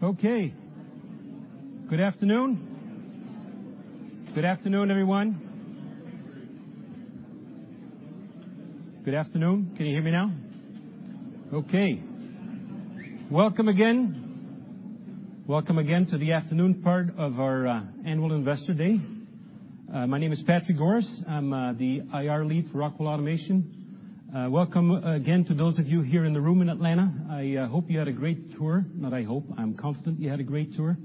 Okay. Good afternoon. Good afternoon, everyone. Good afternoon. Can you hear me now? Okay. Welcome again to the afternoon part of our annual Investor Day. My name is Patrick Goris. I'm the IR lead for Rockwell Automation. Welcome again to those of you here in the room in Atlanta. I hope you had a great tour. Not I hope, I'm confident you had a great tour.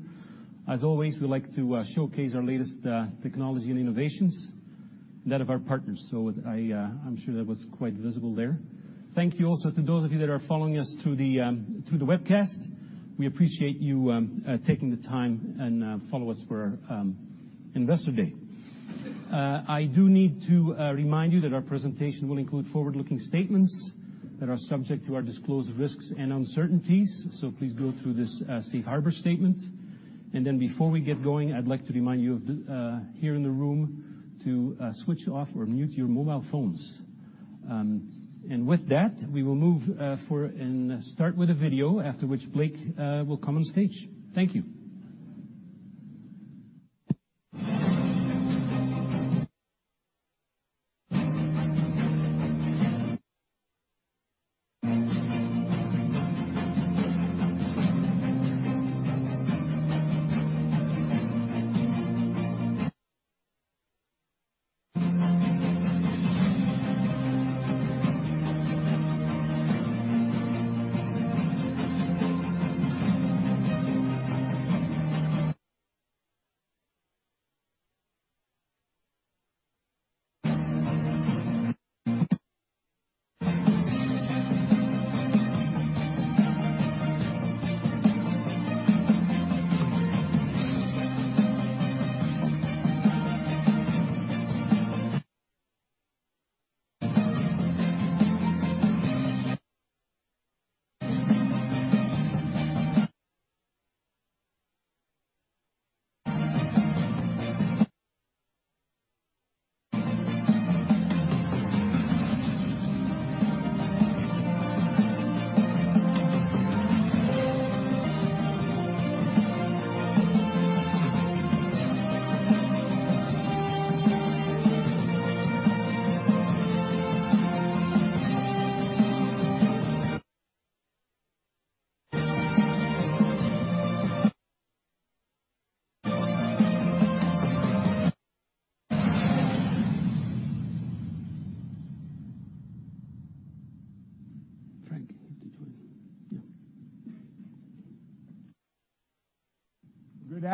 As always, we like to showcase our latest technology and innovations and that of our partners. I'm sure that was quite visible there. Thank you also to those of you that are following us through the webcast. We appreciate you taking the time and follow us for our Investor Day. I do need to remind you that our presentation will include forward-looking statements that are subject to our disclosed risks and uncertainties, please go through this safe harbor statement. Before we get going, I'd like to remind you here in the room to switch off or mute your mobile phones. With that, we will move and start with a video, after which Blake will come on stage. Thank you.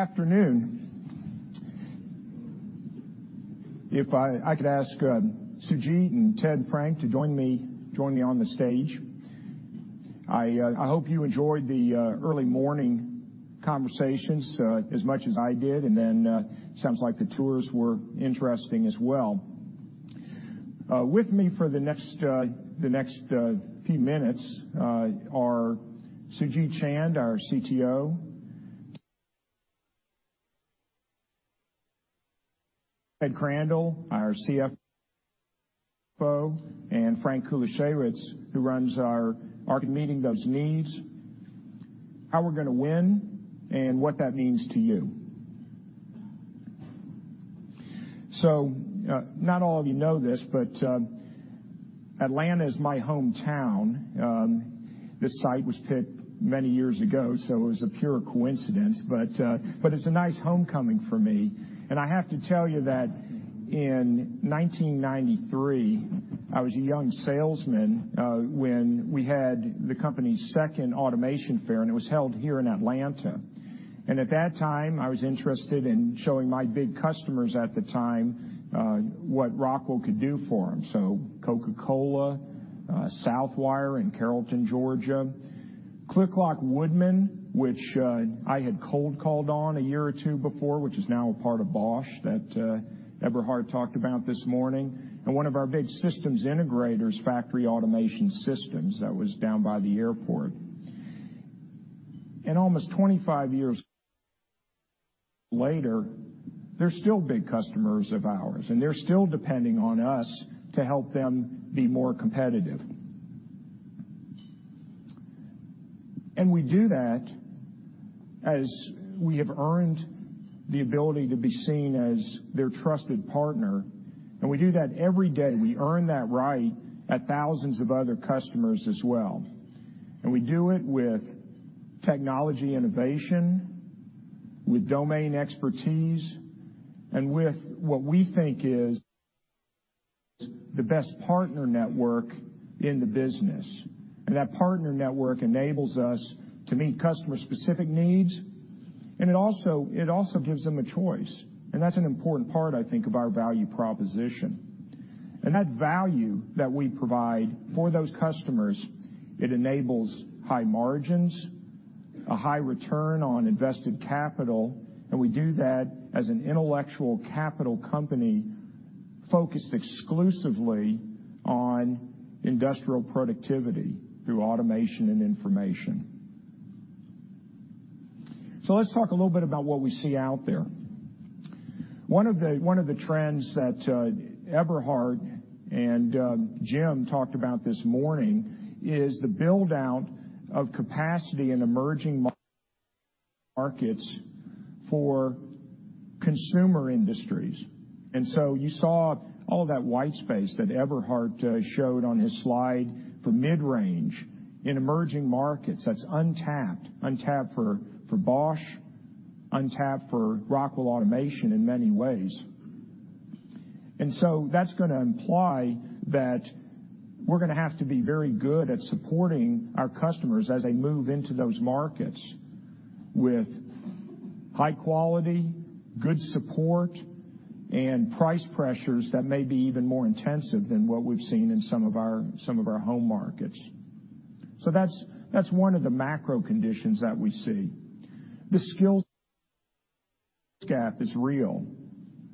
Frank, you have to join. Yeah. Good afternoon. If I could ask Sujeet and Ted and Frank to join me on the stage. I hope you enjoyed the early morning conversations as much as I did, sounds like the tours were interesting as well. With me for the next few minutes are Sujeet Chand, our CTO, Ted Crandall, our CFO, and Frank Kulaszewicz, who runs our market meeting those needs, how we're going to win, and what that means to you. Not all of you know this, but Atlanta is my hometown. This site was picked many years ago, so it was a pure coincidence, but it's a nice homecoming for me. I have to tell you that in 1993, I was a young salesman when we had the company's second Automation Fair, and it was held here in Atlanta. At that time, I was interested in showing my big customers at the time what Rockwell could do for them. Coca-Cola, Southwire in Carrollton, Georgia, Kliklok-Woodman, which I had cold called on a year or two before, which is now a part of Bosch that Eberhard talked about this morning, and one of our big systems integrators, Factory Automation Systems, that was down by the airport. Almost 25 years later, they're still big customers of ours, and they're still depending on us to help them be more competitive. We do that as we have earned the ability to be seen as their trusted partner, and we do that every day. We earn that right at thousands of other customers as well. We do it with technology innovation, with domain expertise, and with what we think is the best partner network in the business. That partner network enables us to meet customer-specific needs, it also gives them a choice, that's an important part, I think, of our value proposition. That value that we provide for those customers, it enables high margins, a high return on invested capital, and we do that as an intellectual capital company focused exclusively on industrial productivity through automation and information. Let's talk a little bit about what we see out there. One of the trends that Eberhard and Jim talked about this morning is the build-out of capacity in emerging markets for consumer industries. You saw all of that white space that Eberhard showed on his slide for mid-range in emerging markets. That's untapped for Bosch, untapped for Rockwell Automation in many ways. That's going to imply that we're going to have to be very good at supporting our customers as they move into those markets with high quality, good support, and price pressures that may be even more intensive than what we've seen in some of our home markets. That's one of the macro conditions that we see. The skills gap is real.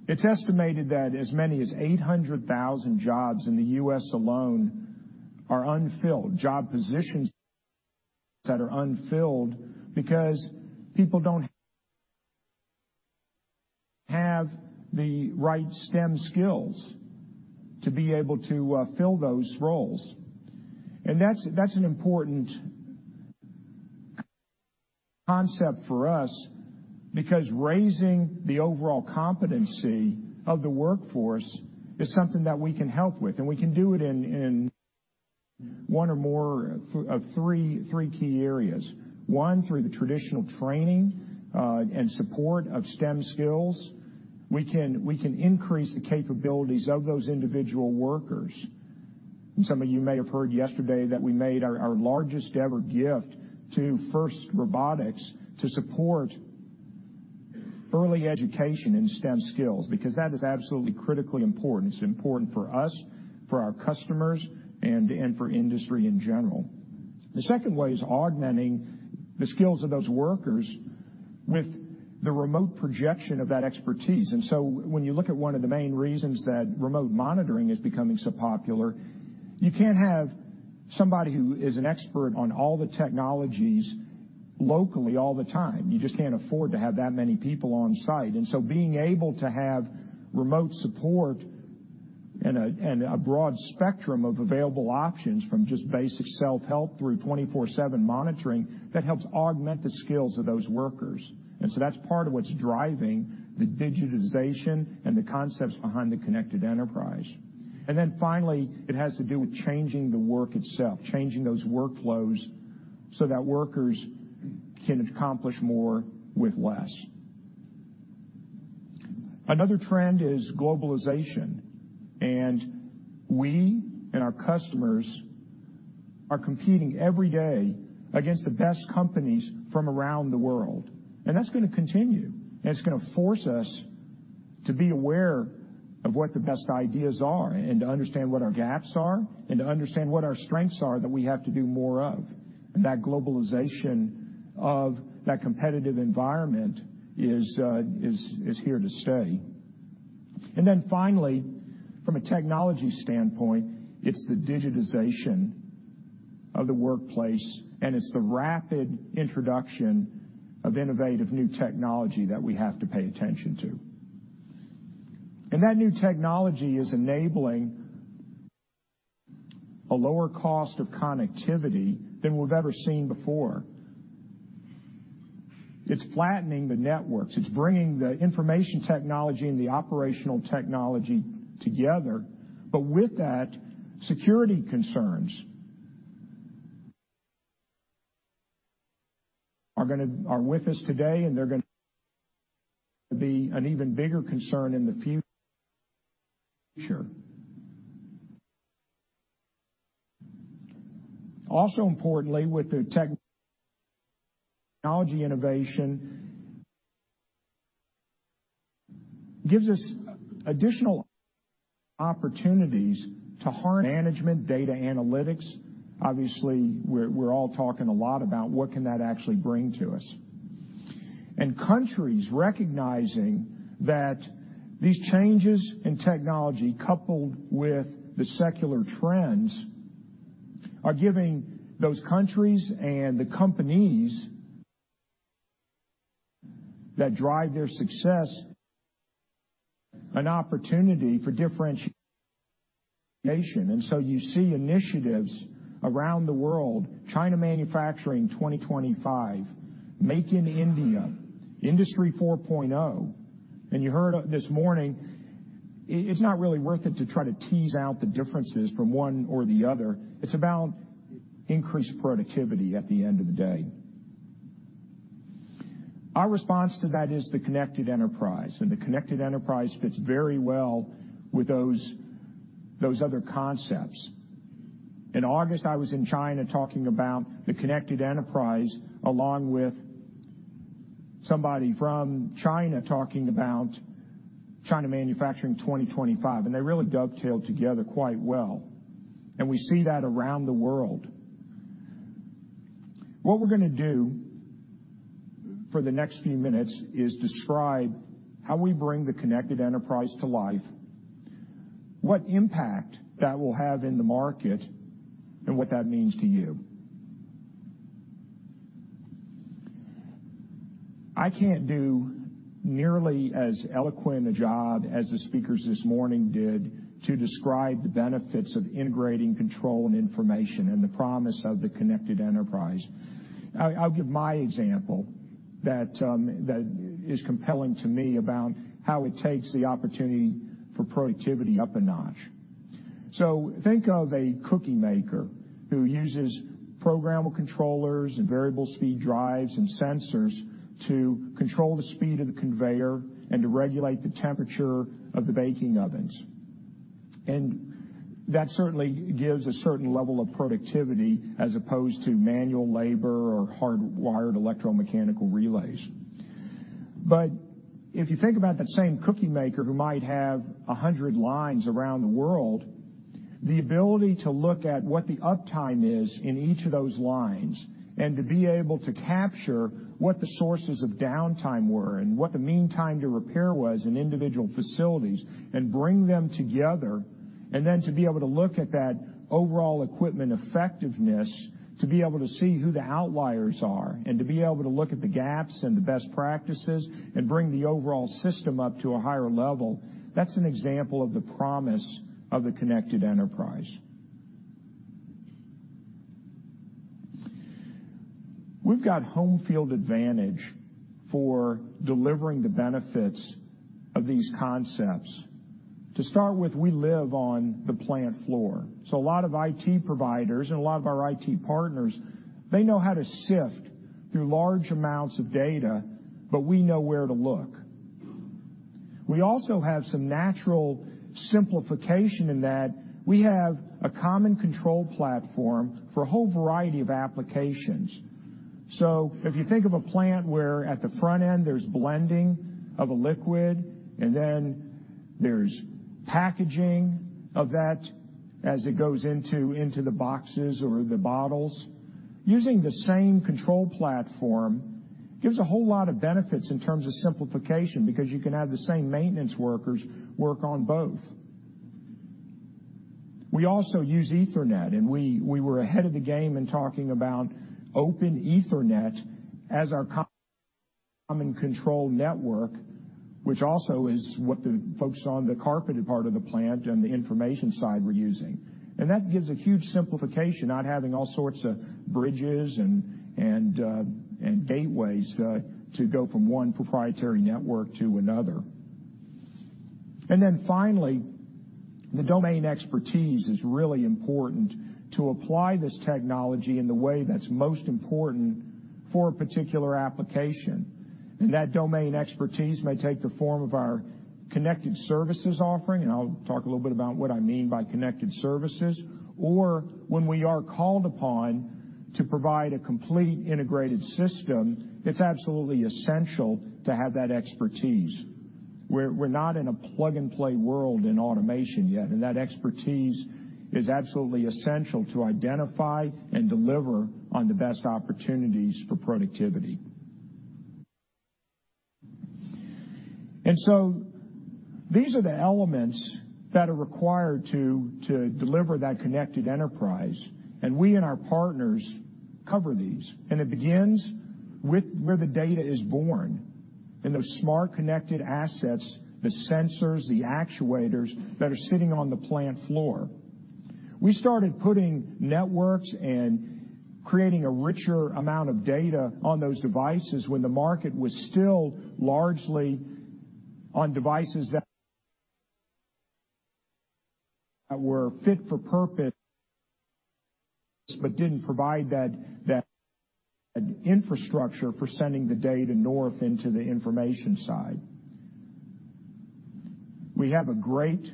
It's estimated that as many as 800,000 jobs in the U.S. alone are unfilled, job positions that are unfilled because people don't have the right STEM skills to be able to fill those roles. That's an important concept for us because raising the overall competency of the workforce is something that we can help with, and we can do it in one or more of three key areas. One, through the traditional training, and support of STEM skills, we can increase the capabilities of those individual workers. Some of you may have heard yesterday that we made our largest-ever gift to FIRST Robotics to support early education in STEM skills, because that is absolutely critically important. It's important for us, for our customers, and for industry in general. The second way is augmenting the skills of those workers with the remote projection of that expertise. When you look at one of the main reasons that remote monitoring is becoming so popular, you can't have somebody who is an expert on all the technologies locally all the time. You just can't afford to have that many people on site. Being able to have remote support and a broad spectrum of available options from just basic self-help through 24/7 monitoring, that helps augment the skills of those workers. That's part of what's driving the digitization and the concepts behind the Connected Enterprise. Finally, it has to do with changing the work itself, changing those workflows so that workers can accomplish more with less. Another trend is globalization, we and our customers are competing every day against the best companies from around the world. That's going to continue, it's going to force us to be aware of what the best ideas are and to understand what our gaps are and to understand what our strengths are that we have to do more of. That globalization of that competitive environment is here to stay. Finally, from a technology standpoint, it's the digitization of the workplace, and it's the rapid introduction of innovative new technology that we have to pay attention to. That new technology is enabling a lower cost of connectivity than we've ever seen before. It's flattening the networks. It's bringing the information technology and the operational technology together. With that, security concerns are with us today, and they're going to be an even bigger concern in the future. Also importantly, with the technology innovation gives us additional opportunities to management data analytics. Obviously, we're all talking a lot about what can that actually bring to us. Countries recognizing that these changes in technology, coupled with the secular trends, are giving those countries and the companies that drive their success an opportunity for differentiation. You see initiatives around the world, Made in China 2025, Make in India, Industry 4.0, and you heard this morning, it's not really worth it to try to tease out the differences from one or the other. It's about increased productivity at the end of the day. Our response to that is the Connected Enterprise, and the Connected Enterprise fits very well with those other concepts. In August, I was in China talking about the Connected Enterprise, along with somebody from China talking about Made in China 2025, and they really dovetailed together quite well. We see that around the world. What we're going to do for the next few minutes is describe how we bring the Connected Enterprise to life. What impact that will have in the market and what that means to you. I can't do nearly as eloquent a job as the speakers this morning did to describe the benefits of integrating control and information and the promise of the Connected Enterprise. I'll give my example that is compelling to me about how it takes the opportunity for productivity up a notch. Think of a cookie maker who uses programmable controllers and variable speed drives and sensors to control the speed of the conveyor and to regulate the temperature of the baking ovens. That certainly gives a certain level of productivity as opposed to manual labor or hardwired electromechanical relays. If you think about that same cookie maker who might have 100 lines around the world, the ability to look at what the uptime is in each of those lines and to be able to capture what the sources of downtime were and what the mean time to repair was in individual facilities and bring them together, and then to be able to look at that overall equipment effectiveness, to be able to see who the outliers are and to be able to look at the gaps and the best practices and bring the overall system up to a higher level, that's an example of the promise of the Connected Enterprise. We've got home field advantage for delivering the benefits of these concepts. To start with, we live on the plant floor. A lot of IT providers and a lot of our IT partners, they know how to sift through large amounts of data, but we know where to look. We also have some natural simplification in that we have a common control platform for a whole variety of applications. If you think of a plant where at the front end, there's blending of a liquid, and then there's packaging of that as it goes into the boxes or the bottles. Using the same control platform gives a whole lot of benefits in terms of simplification because you can have the same maintenance workers work on both. We also use Ethernet, and we were ahead of the game in talking about open Ethernet as our common control network, which also is what the folks on the carpeted part of the plant and the information side were using. That gives a huge simplification, not having all sorts of bridges and gateways to go from one proprietary network to another. Finally, the domain expertise is really important to apply this technology in the way that's most important for a particular application. That domain expertise may take the form of our connected services offering, and I'll talk a little bit about what I mean by connected services, or when we are called upon to provide a complete integrated system, it's absolutely essential to have that expertise. We're not in a plug-and-play world in automation yet, and that expertise is absolutely essential to identify and deliver on the best opportunities for productivity. These are the elements that are required to deliver that Connected Enterprise. We and our partners cover these, and it begins where the data is born, in those smart connected assets, the sensors, the actuators that are sitting on the plant floor. We started putting networks and creating a richer amount of data on those devices when the market was still largely on devices that were fit for purpose but didn't provide that infrastructure for sending the data north into the information side. We have a great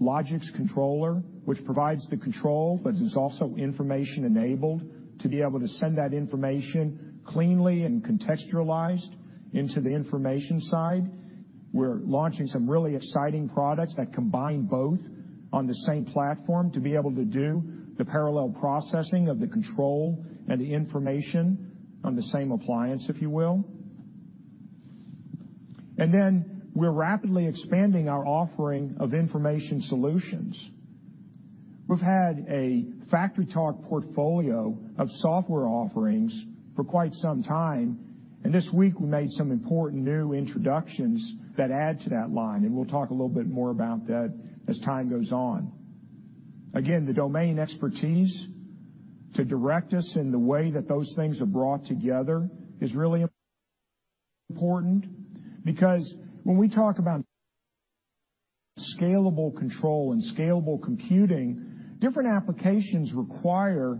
Logix controller, which provides the control, but is also information-enabled to be able to send that information cleanly and contextualized into the information side. We're launching some really exciting products that combine both on the same platform to be able to do the parallel processing of the control and the information on the same appliance, if you will. We're rapidly expanding our offering of information solutions. We've had a FactoryTalk portfolio of software offerings for quite some time, this week we made some important new introductions that add to that line, we'll talk a little bit more about that as time goes on. Again, the domain expertise to direct us in the way that those things are brought together is really important because when we talk about scalable control and scalable computing, different applications require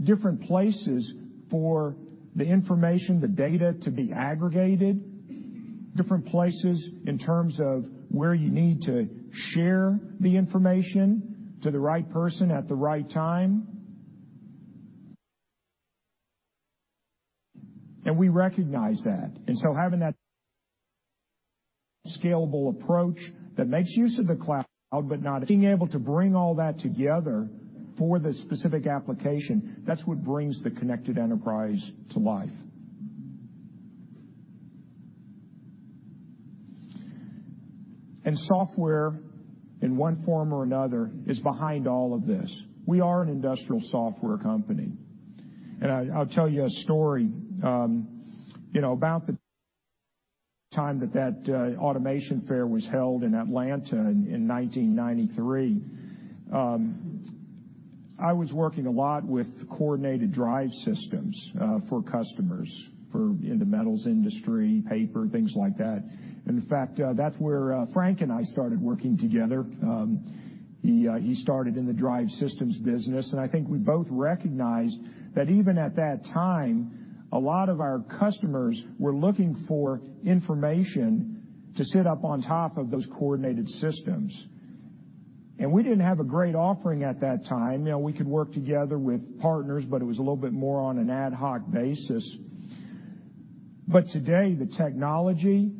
different places for the information, the data to be aggregated, different places in terms of where you need to share the information to the right person at the right time. We recognize that. Having that scalable approach that makes use of the cloud, but not being able to bring all that together for the specific application, that's what brings the Connected Enterprise to life. Software, in one form or another, is behind all of this. We are an industrial software company. I'll tell you a story. About the time that that Automation Fair was held in Atlanta in 1993, I was working a lot with coordinated drive systems for customers, for in the metals industry, paper, things like that. In fact, that's where Frank and I started working together. He started in the drive systems business, and I think we both recognized that even at that time, a lot of our customers were looking for information to sit up on top of those coordinated systems. We didn't have a great offering at that time. We could work together with partners, but it was a little bit more on an ad hoc basis. Today, the technology,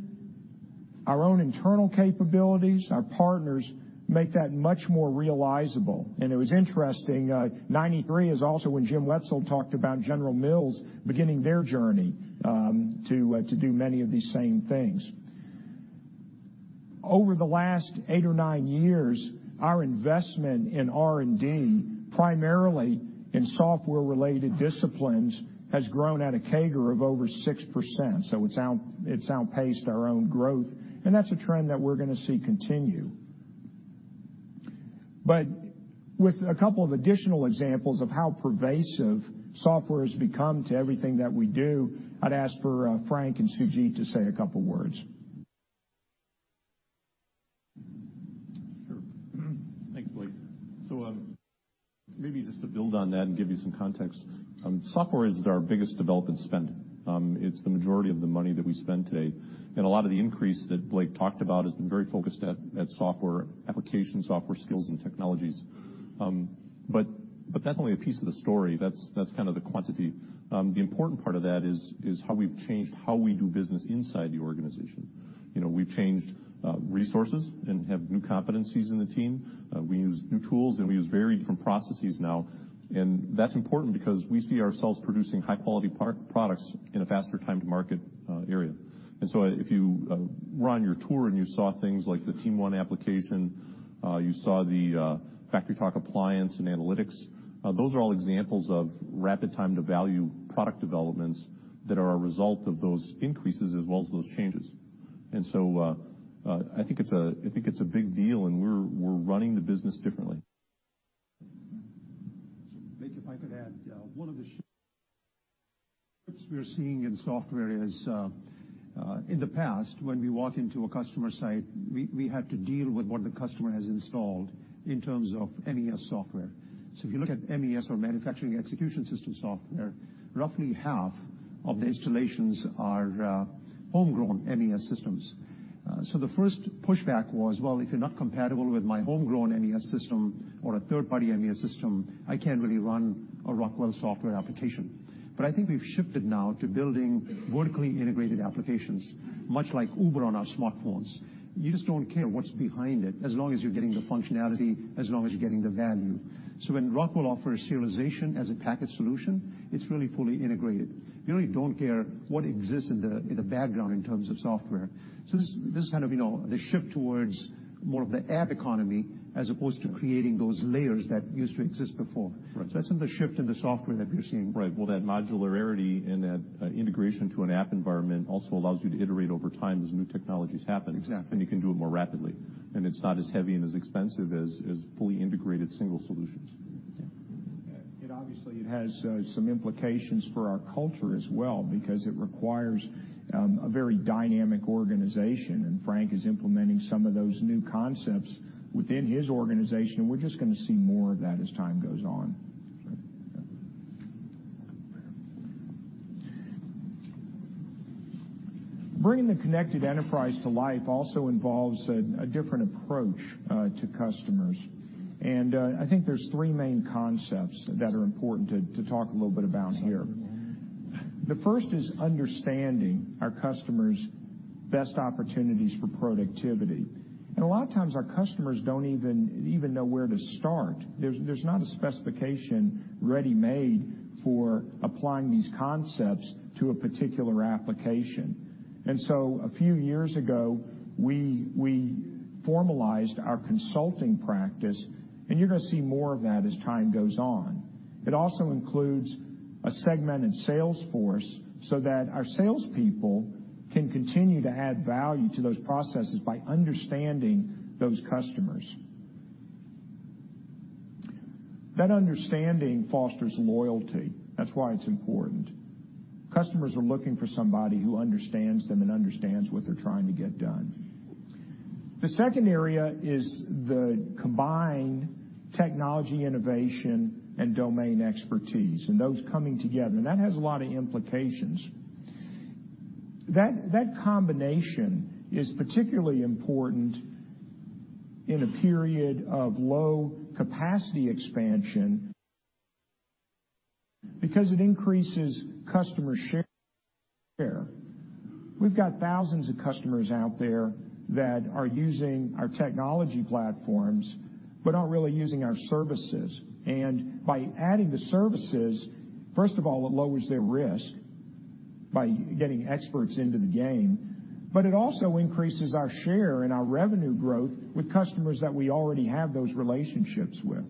our own internal capabilities, our partners make that much more realizable. It was interesting, 1993 is also when Jim Wetzel talked about General Mills beginning their journey to do many of these same things. Over the last eight or nine years, our investment in R&D, primarily in software-related disciplines, has grown at a CAGR of over 6%. It's outpaced our own growth, and that's a trend that we're going to see continue. With a couple of additional examples of how pervasive software has become to everything that we do, I'd ask for Frank and Sujeet to say a couple words. Sure. Thanks, Blake. Maybe just to build on that and give you some context, software is our biggest development spend. It's the majority of the money that we spend today, and a lot of the increase that Blake talked about has been very focused at software application, software skills, and technologies. That's only a piece of the story. That's kind of the quantity. The important part of that is how we've changed how we do business inside the organization. We've changed resources and have new competencies in the team. We use new tools, and we use very different processes now. That's important because we see ourselves producing high-quality products in a faster time to market area. If you were on your tour and you saw things like the TeamONE application, you saw the FactoryTalk Analytics for Devices appliance and analytics, those are all examples of rapid time-to-value product developments that are a result of those increases as well as those changes. I think it's a big deal, and we're running the business differently. Blake, if I could add, one of the shifts we're seeing in software is, in the past when we walk into a customer site, we had to deal with what the customer has installed in terms of MES software. If you look at MES or manufacturing execution system software, roughly half of the installations are homegrown MES systems. The first pushback was, well, if you're not compatible with my homegrown MES system or a third-party MES system, I can't really run a Rockwell software application. I think we've shifted now to building vertically integrated applications, much like Uber on our smartphones. You just don't care what's behind it, as long as you're getting the functionality, as long as you're getting the value. When Rockwell offers serialization as a package solution, it's really fully integrated. You really don't care what exists in the background in terms of software. This is kind of the shift towards more of the app economy as opposed to creating those layers that used to exist before. Right. That's the shift in the software that we're seeing. Right. Well, that modularity and that integration to an app environment also allows you to iterate over time as new technologies happen. Exactly. You can do it more rapidly, and it's not as heavy and as expensive as fully integrated single solutions. Obviously, it has some implications for our culture as well because it requires a very dynamic organization, and Frank is implementing some of those new concepts within his organization, and we're just going to see more of that as time goes on. Bringing the Connected Enterprise to life also involves a different approach to customers, and I think there's three main concepts that are important to talk a little bit about here. The first is understanding our customers' best opportunities for productivity. A lot of times, our customers don't even know where to start. There's not a specification ready-made for applying these concepts to a particular application. A few years ago, we formalized our consulting practice, and you're going to see more of that as time goes on. It also includes a segmented sales force so that our salespeople can continue to add value to those processes by understanding those customers. That understanding fosters loyalty. That's why it's important. Customers are looking for somebody who understands them and understands what they're trying to get done. The second area is the combined technology innovation and domain expertise, and those coming together. That has a lot of implications. That combination is particularly important in a period of low capacity expansion because it increases customer share. We've got thousands of customers out there that are using our technology platforms but aren't really using our services. By adding the services, first of all, it lowers their risk by getting experts into the game. It also increases our share and our revenue growth with customers that we already have those relationships with.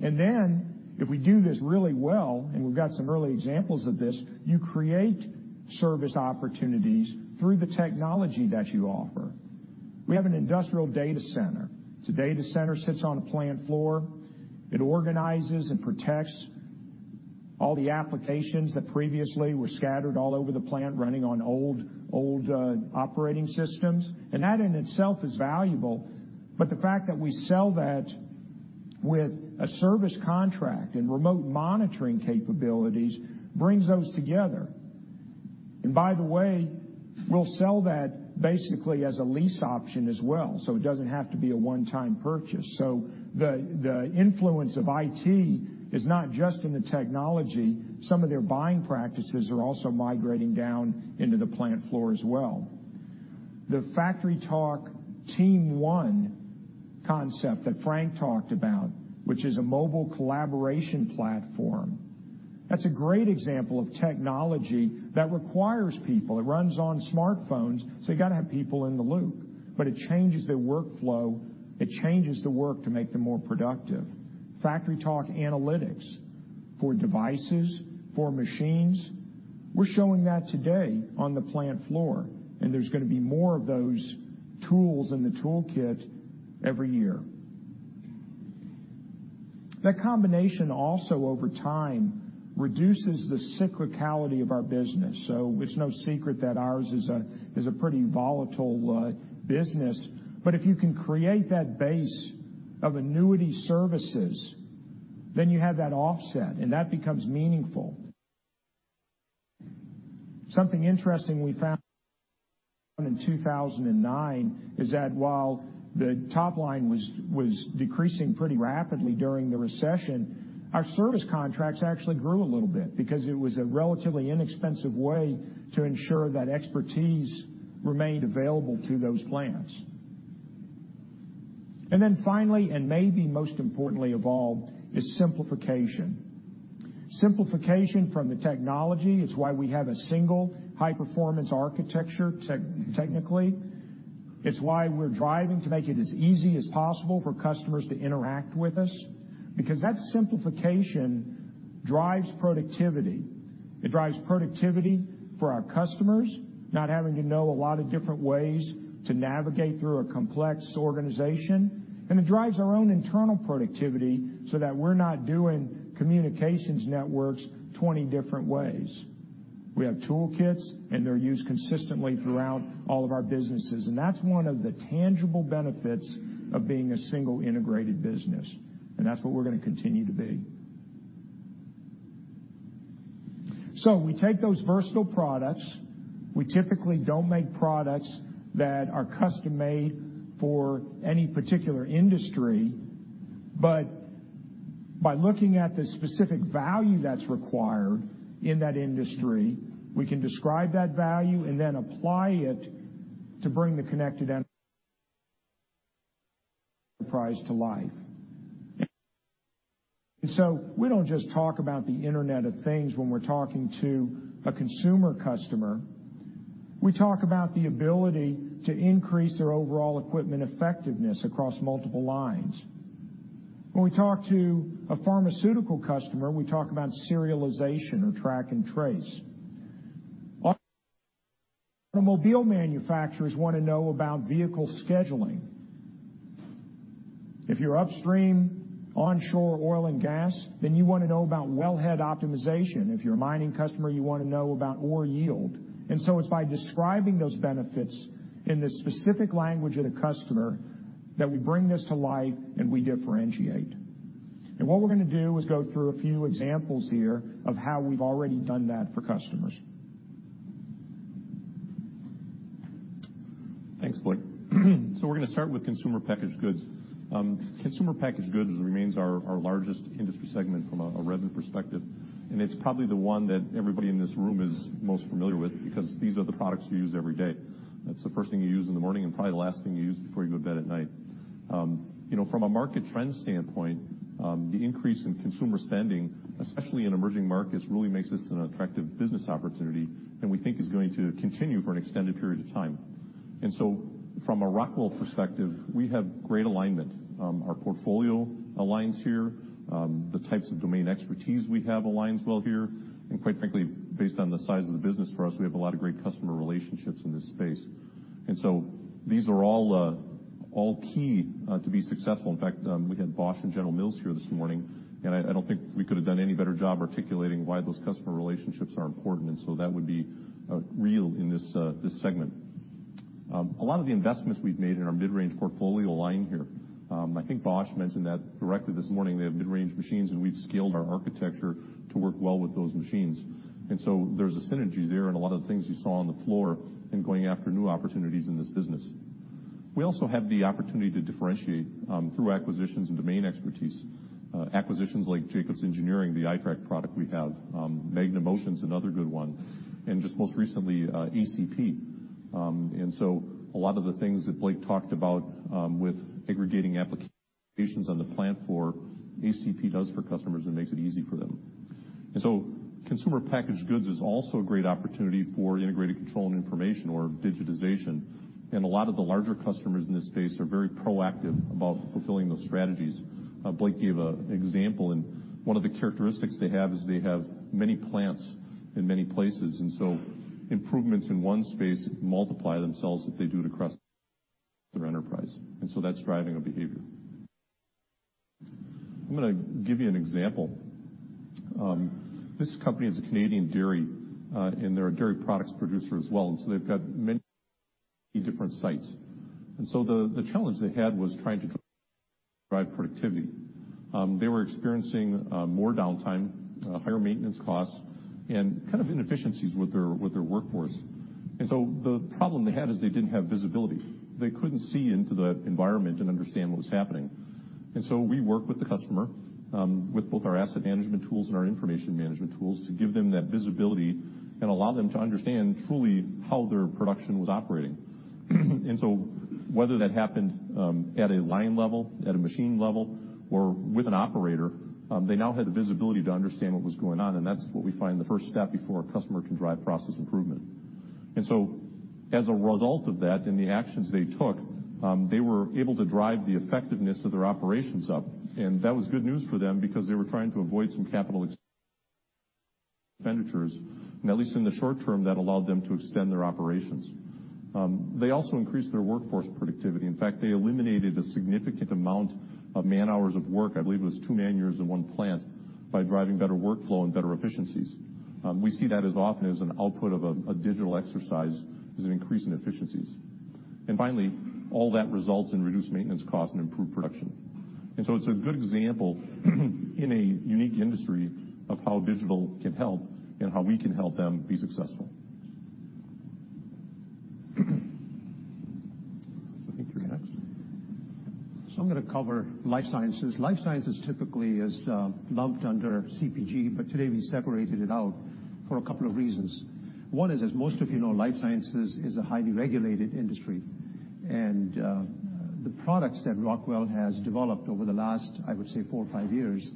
Then, if we do this really well, and we've got some early examples of this, you create service opportunities through the technology that you offer. We have an industrial data center. It's a data center, sits on a plant floor. It organizes and protects all the applications that previously were scattered all over the plant, running on old operating systems. That in itself is valuable, but the fact that we sell that with a service contract and remote monitoring capabilities brings those together. By the way, we'll sell that basically as a lease option as well. It doesn't have to be a one-time purchase. The influence of IT is not just in the technology. Some of their buying practices are also migrating down into the plant floor as well. The FactoryTalk TeamONE concept that Frank talked about, which is a mobile collaboration platform, that's a great example of technology that requires people. It runs on smartphones, so you got to have people in the loop, but it changes their workflow. It changes the work to make them more productive. FactoryTalk Analytics for Devices, for machines. We're showing that today on the plant floor, and there's going to be more of those tools in the toolkit every year. That combination also over time reduces the cyclicality of our business. It's no secret that ours is a pretty volatile business, but if you can create that base of annuity services, then you have that offset and that becomes meaningful. Something interesting we found in 2009 is that while the top line was decreasing pretty rapidly during the recession, our service contracts actually grew a little bit because it was a relatively inexpensive way to ensure that expertise remained available to those plants. Finally, and maybe most importantly of all, is simplification. Simplification from the technology, it's why we have a single high-performance architecture technically. It's why we're driving to make it as easy as possible for customers to interact with us, because that simplification drives productivity. It drives productivity for our customers, not having to know a lot of different ways to navigate through a complex organization. It drives our own internal productivity so that we're not doing communications networks 20 different ways. We have toolkits. They're used consistently throughout all of our businesses. That's one of the tangible benefits of being a single integrated business. That's what we're going to continue to be. We take those versatile products. We typically don't make products that are custom-made for any particular industry, but by looking at the specific value that's required in that industry, we can describe that value and then apply it to bring the Connected Enterprise to life. We don't just talk about the Internet of Things when we're talking to a consumer customer. We talk about the ability to increase their Overall Equipment Effectiveness across multiple lines. When we talk to a pharmaceutical customer, we talk about serialization or track and trace. Automobile manufacturers want to know about vehicle scheduling. If you're upstream onshore oil and gas, then you want to know about wellhead optimization. If you're a mining customer, you want to know about ore yield. It's by describing those benefits in the specific language of the customer that we bring this to life and we differentiate. What we're going to do is go through a few examples here of how we've already done that for customers. Thanks, Blake. We're going to start with consumer packaged goods. Consumer packaged goods remains our largest industry segment from a revenue perspective, and it's probably the one that everybody in this room is most familiar with because these are the products we use every day. That's the first thing you use in the morning and probably the last thing you use before you go to bed at night. From a market trend standpoint, the increase in consumer spending, especially in emerging markets, really makes this an attractive business opportunity and we think is going to continue for an extended period of time. From a Rockwell perspective, we have great alignment. Our portfolio aligns here. The types of domain expertise we have aligns well here, and quite frankly, based on the size of the business for us, we have a lot of great customer relationships in this space. These are all key to be successful. In fact, we had Bosch and General Mills here this morning, and I don't think we could have done any better job articulating why those customer relationships are important, that would be real in this segment. A lot of the investments we've made in our mid-range portfolio align here. I think Bosch mentioned that directly this morning. They have mid-range machines, and we've scaled our architecture to work well with those machines. There's a synergy there and a lot of the things you saw on the floor in going after new opportunities in this business. We also have the opportunity to differentiate through acquisitions and domain expertise. Acquisitions like Jacobs Automation, the iTRAK product we have. MagneMotion's another good one, and just most recently, ACP. A lot of the things that Blake talked about with aggregating applications on the plant floor, ACP does for customers and makes it easy for them. Consumer packaged goods is also a great opportunity for integrated control and information or digitization. A lot of the larger customers in this space are very proactive about fulfilling those strategies. Blake gave an example, and one of the characteristics they have is they have many plants in many places, improvements in one space multiply themselves if they do it across their enterprise. That's driving a behavior. I'm going to give you an example. This company is a Canadian dairy, and they're a dairy products producer as well. They've got many different sites. The challenge they had was trying to drive productivity. They were experiencing more downtime, higher maintenance costs, and kind of inefficiencies with their workforce. The problem they had is they didn't have visibility. They couldn't see into the environment and understand what was happening. We work with the customer, with both our asset management tools and our information management tools to give them that visibility and allow them to understand truly how their production was operating. Whether that happened at a line level, at a machine level, or with an operator, they now had the visibility to understand what was going on. That's what we find the first step before a customer can drive process improvement. As a result of that and the actions they took, they were able to drive the effectiveness of their operations up, and that was good news for them because they were trying to avoid some capital expenditures. At least in the short term, that allowed them to extend their operations. They also increased their workforce productivity. In fact, they eliminated a significant amount of man-hours of work, I believe it was 2 man-years in one plant, by driving better workflow and better efficiencies. We see that as often as an output of a digital exercise is an increase in efficiencies. Finally, all that results in reduced maintenance cost and improved production. It's a good example in a unique industry of how digital can help and how we can help them be successful. I think you're next. I'm going to cover life sciences. Life sciences typically is lumped under CPG, but today we separated it out for a couple of reasons. One is, as most of you know, life sciences is a highly regulated industry, and the products that Rockwell has developed over the last, I would say, four or five years,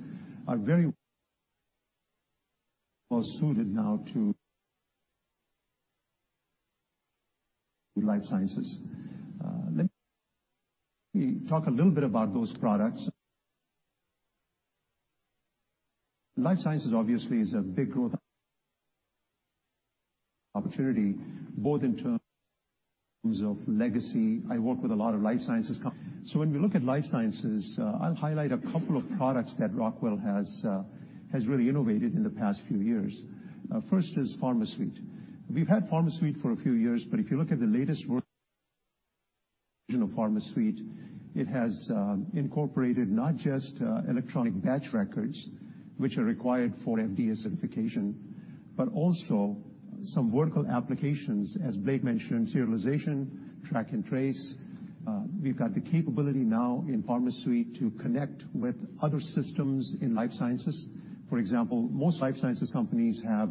are very well-suited now to life sciences. Let me talk a little bit about those products. Life sciences, obviously, is a big growth opportunity both in terms of legacy. I work with a lot of life sciences companies. When we look at life sciences, I'll highlight a couple of products that Rockwell has really innovated in the past few years. First is PharmaSuite. We've had PharmaSuite for a few years, but if you look at the latest version of PharmaSuite, it has incorporated not just electronic batch records, which are required for FDA certification, but also some vertical applications, as Blake mentioned, serialization, track and trace. We've got the capability now in PharmaSuite to connect with other systems in life sciences. For example, most life sciences companies have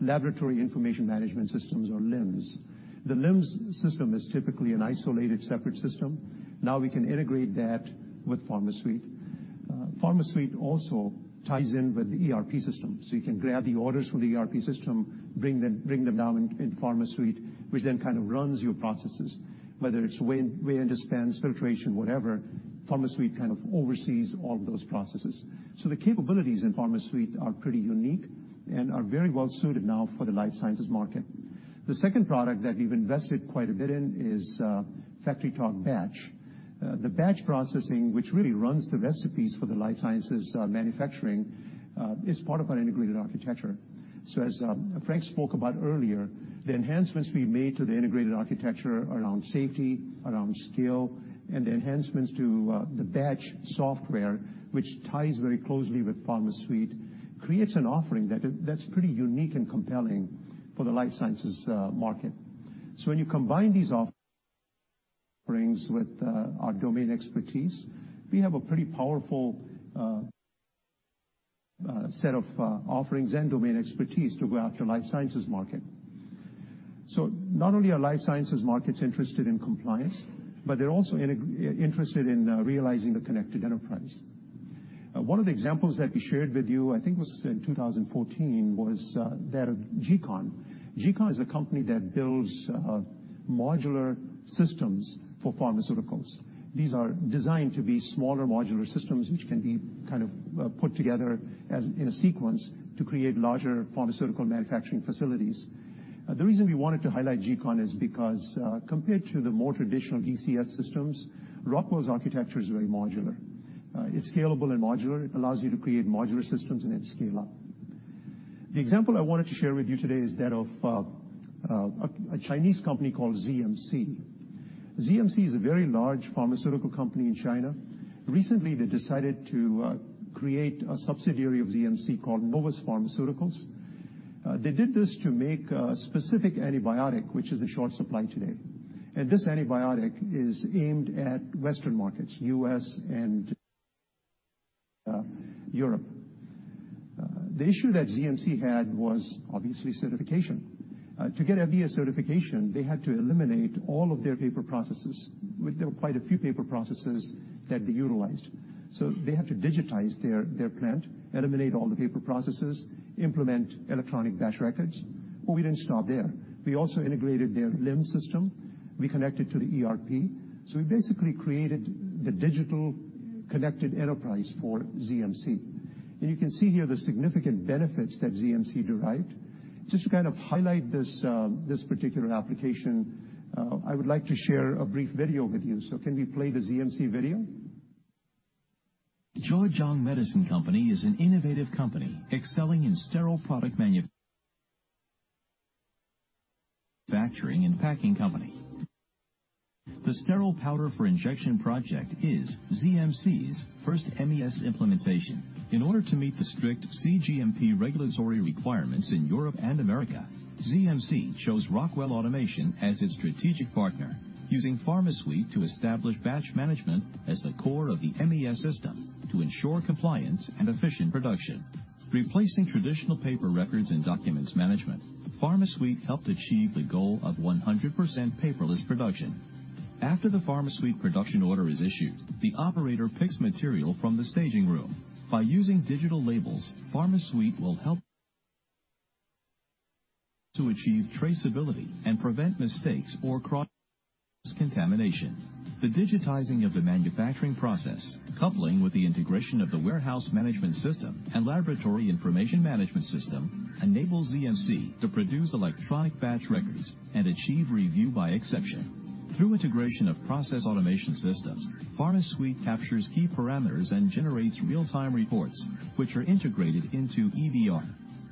laboratory information management systems or LIMS. The LIMS system is typically an isolated, separate system. Now we can integrate that with PharmaSuite. PharmaSuite also ties in with the ERP system, so you can grab the orders from the ERP system, bring them down in PharmaSuite, which then kind of runs your processes, whether it's weigh, dispense, filtration, whatever, PharmaSuite kind of oversees all those processes. The capabilities in PharmaSuite are pretty unique and are very well suited now for the life sciences market. The second product that we've invested quite a bit in is FactoryTalk Batch. The batch processing, which really runs the recipes for the life sciences manufacturing, is part of our integrated architecture. As Frank spoke about earlier, the enhancements we made to the integrated architecture around safety, around skill, and the enhancements to the batch software, which ties very closely with PharmaSuite, creates an offering that's pretty unique and compelling for the life sciences market. When you combine these offerings with our domain expertise, we have a pretty powerful set of offerings and domain expertise to go after life sciences market. Not only are life sciences markets interested in compliance, but they're also interested in realizing the Connected Enterprise. One of the examples that we shared with you, I think was in 2014, was that of G-CON. G-CON is a company that builds modular systems for pharmaceuticals. These are designed to be smaller modular systems, which can be kind of put together as in a sequence to create larger pharmaceutical manufacturing facilities. The reason we wanted to highlight G-CON is because compared to the more traditional DCS systems, Rockwell's architecture is very modular. It's scalable and modular. It allows you to create modular systems and then scale up. The example I wanted to share with you today is that of a Chinese company called ZMC. ZMC is a very large pharmaceutical company in China. Recently, they decided to create a subsidiary of ZMC called Novus Pharmaceuticals. They did this to make a specific antibiotic, which is in short supply today. This antibiotic is aimed at Western markets, U.S. and Europe. The issue that ZMC had was obviously certification. To get a certification, they had to eliminate all of their paper processes. There were quite a few paper processes that they utilized. They had to digitize their plant, eliminate all the paper processes, implement electronic batch records. We didn't stop there. We also integrated their LIMS system. We connected to the ERP. We basically created the digital Connected Enterprise for ZMC. You can see here the significant benefits that ZMC derived. Just to kind of highlight this particular application, I would like to share a brief video with you. Can we play the ZMC video? Zhejiang Medicine Co., Ltd. is an innovative company excelling in sterile product manufacturing and packing company. The sterile powder for injection project is ZMC's first MES implementation. In order to meet the strict cGMP regulatory requirements in Europe and America, ZMC chose Rockwell Automation as its strategic partner, using PharmaSuite to establish batch management as the core of the MES system to ensure compliance and efficient production. Replacing traditional paper records and documents management, PharmaSuite helped achieve the goal of 100% paperless production. After the PharmaSuite production order is issued, the operator picks material from the staging room. By using digital labels, PharmaSuite will help to achieve traceability and prevent mistakes or cross-contamination. The digitizing of the manufacturing process, coupling with the integration of the warehouse management system and laboratory information management system, enables ZMC to produce electronic batch records and achieve review by exception. Through integration of process automation systems, PharmaSuite captures key parameters and generates real-time reports, which are integrated into EBR.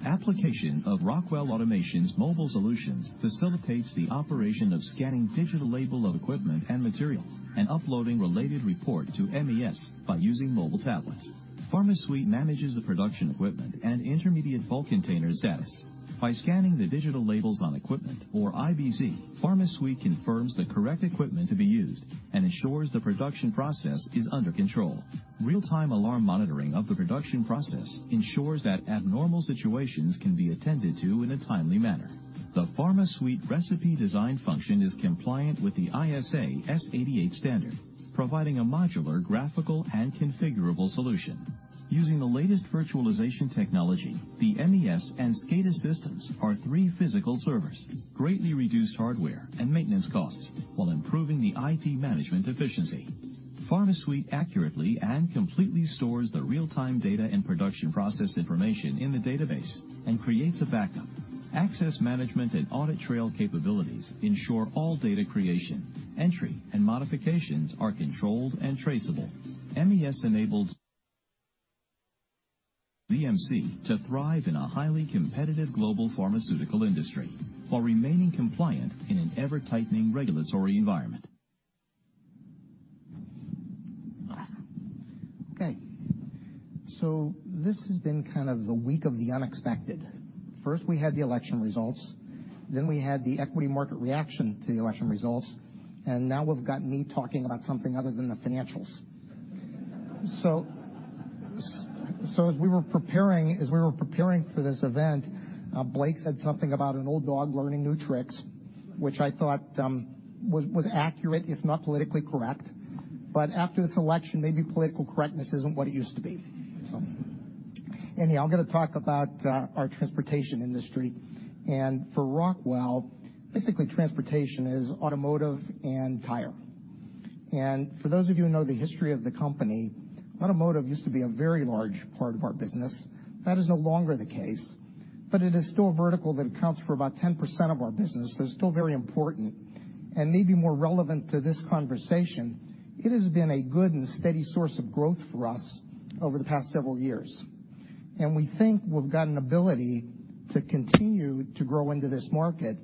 Application of Rockwell Automation's mobile solutions facilitates the operation of scanning digital label of equipment and material and uploading related report to MES by using mobile tablets. PharmaSuite manages the production equipment and intermediate bulk container status. By scanning the digital labels on equipment or IBC, PharmaSuite confirms the correct equipment to be used and ensures the production process is under control. Real-time alarm monitoring of the production process ensures that abnormal situations can be attended to in a timely manner. The PharmaSuite recipe design function is compliant with the ISA-88 standard, providing a modular graphical and configurable solution. Using the latest virtualization technology, the MES and SCADA systems are three physical servers, greatly reduced hardware and maintenance costs while improving the IT management efficiency. PharmaSuite accurately and completely stores the real-time data and production process information in the database and creates a backup. Access management and audit trail capabilities ensure all data creation, entry, and modifications are controlled and traceable. MES enables ZMC to thrive in a highly competitive global pharmaceutical industry while remaining compliant in an ever-tightening regulatory environment. Okay, this has been kind of the week of the unexpected. First, we had the election results, we had the equity market reaction to the election results, now we've got me talking about something other than the financials. As we were preparing for this event, Blake said something about an old dog learning new tricks, which I thought was accurate if not politically correct. After this election, maybe political correctness isn't what it used to be. Anyhow, I'm going to talk about our transportation industry, for Rockwell, basically transportation is automotive and tire. For those of you who know the history of the company, automotive used to be a very large part of our business. That is no longer the case, it is still a vertical that accounts for about 10% of our business, so it's still very important. Maybe more relevant to this conversation, it has been a good and steady source of growth for us over the past several years. We think we've got an ability to continue to grow into this market,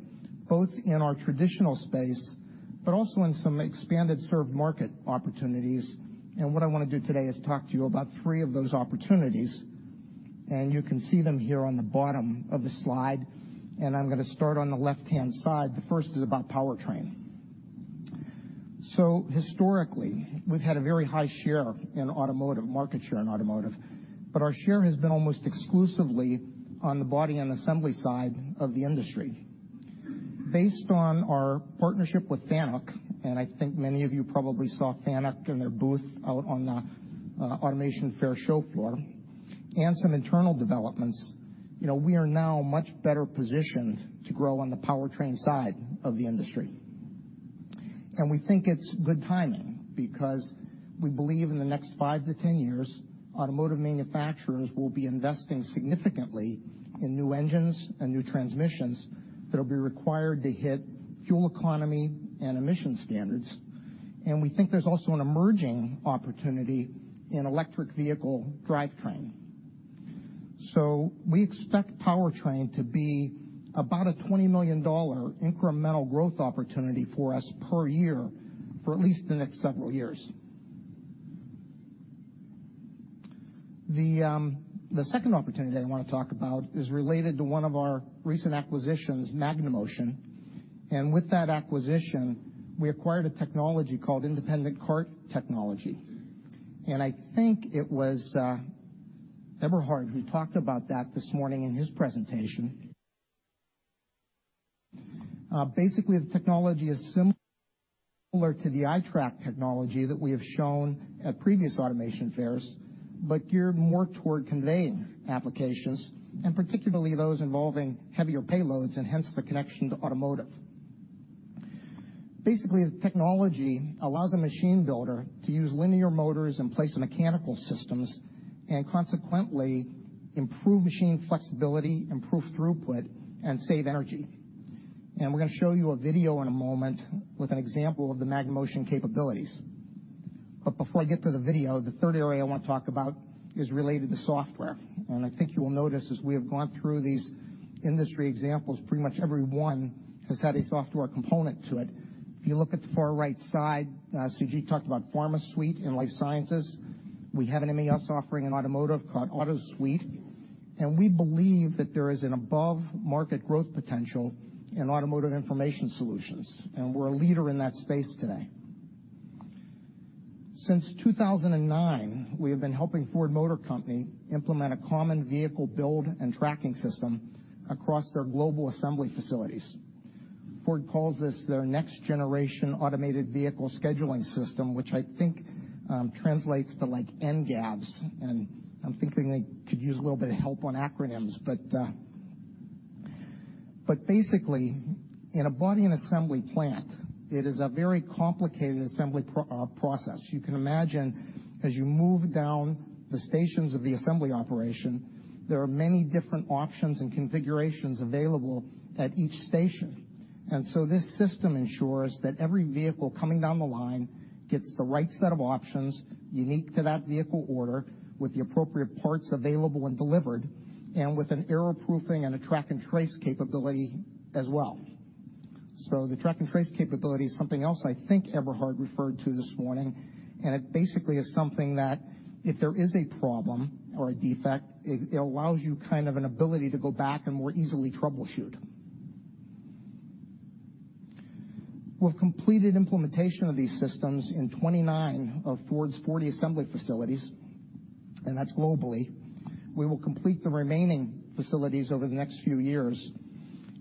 both in our traditional space but also in some expanded served market opportunities. What I want to do today is talk to you about three of those opportunities, you can see them here on the bottom of the slide, I'm going to start on the left-hand side. The first is about powertrain. Historically, we've had a very high share in automotive, market share in automotive, our share has been almost exclusively on the body and assembly side of the industry. Based on our partnership with FANUC, I think many of you probably saw FANUC and their booth out on the automation fair show floor, some internal developments, we are now much better positioned to grow on the powertrain side of the industry. We think it's good timing because we believe in the next five to 10 years, automotive manufacturers will be investing significantly in new engines and new transmissions that'll be required to hit fuel economy and emission standards. We think there's also an emerging opportunity in electric vehicle drivetrain. We expect powertrain to be about a $20 million incremental growth opportunity for us per year for at least the next several years. The second opportunity that I want to talk about is related to one of our recent acquisitions, MagneMotion With that acquisition, we acquired a technology called Independent Cart Technology. I think it was Eberhard who talked about that this morning in his presentation. Basically, the technology is similar to the iTRAK technology that we have shown at previous automation fairs, but geared more toward conveying applications, and particularly those involving heavier payloads and hence the connection to automotive. Basically, the technology allows a machine builder to use linear motors in place of mechanical systems, and consequently improve machine flexibility, improve throughput, and save energy. We're going to show you a video in a moment with an example of the MagneMotion capabilities. Before I get to the video, the third area I want to talk about is related to software. I think you will notice as we have gone through these industry examples, pretty much every one has had a software component to it. If you look at the far right side, Sujeet talked about PharmaSuite in life sciences. We have an MES offering in automotive called AutoSuite, and we believe that there is an above-market growth potential in automotive information solutions, and we're a leader in that space today. Since 2009, we have been helping Ford Motor Company implement a common vehicle build and tracking system across their global assembly facilities. Ford calls this their next generation automated vehicle scheduling system, which I think translates to NGAVS, and I'm thinking they could use a little bit of help on acronyms. Basically, in a body and assembly plant, it is a very complicated assembly process. You can imagine, as you move down the stations of the assembly operation, there are many different options and configurations available at each station. This system ensures that every vehicle coming down the line gets the right set of options unique to that vehicle order, with the appropriate parts available and delivered, and with an error-proofing and a track and trace capability as well. The track and trace capability is something else I think Eberhard referred to this morning, and it basically is something that if there is a problem or a defect, it allows you an ability to go back and more easily troubleshoot. We've completed implementation of these systems in 29 of Ford's 40 assembly facilities, and that's globally. We will complete the remaining facilities over the next few years,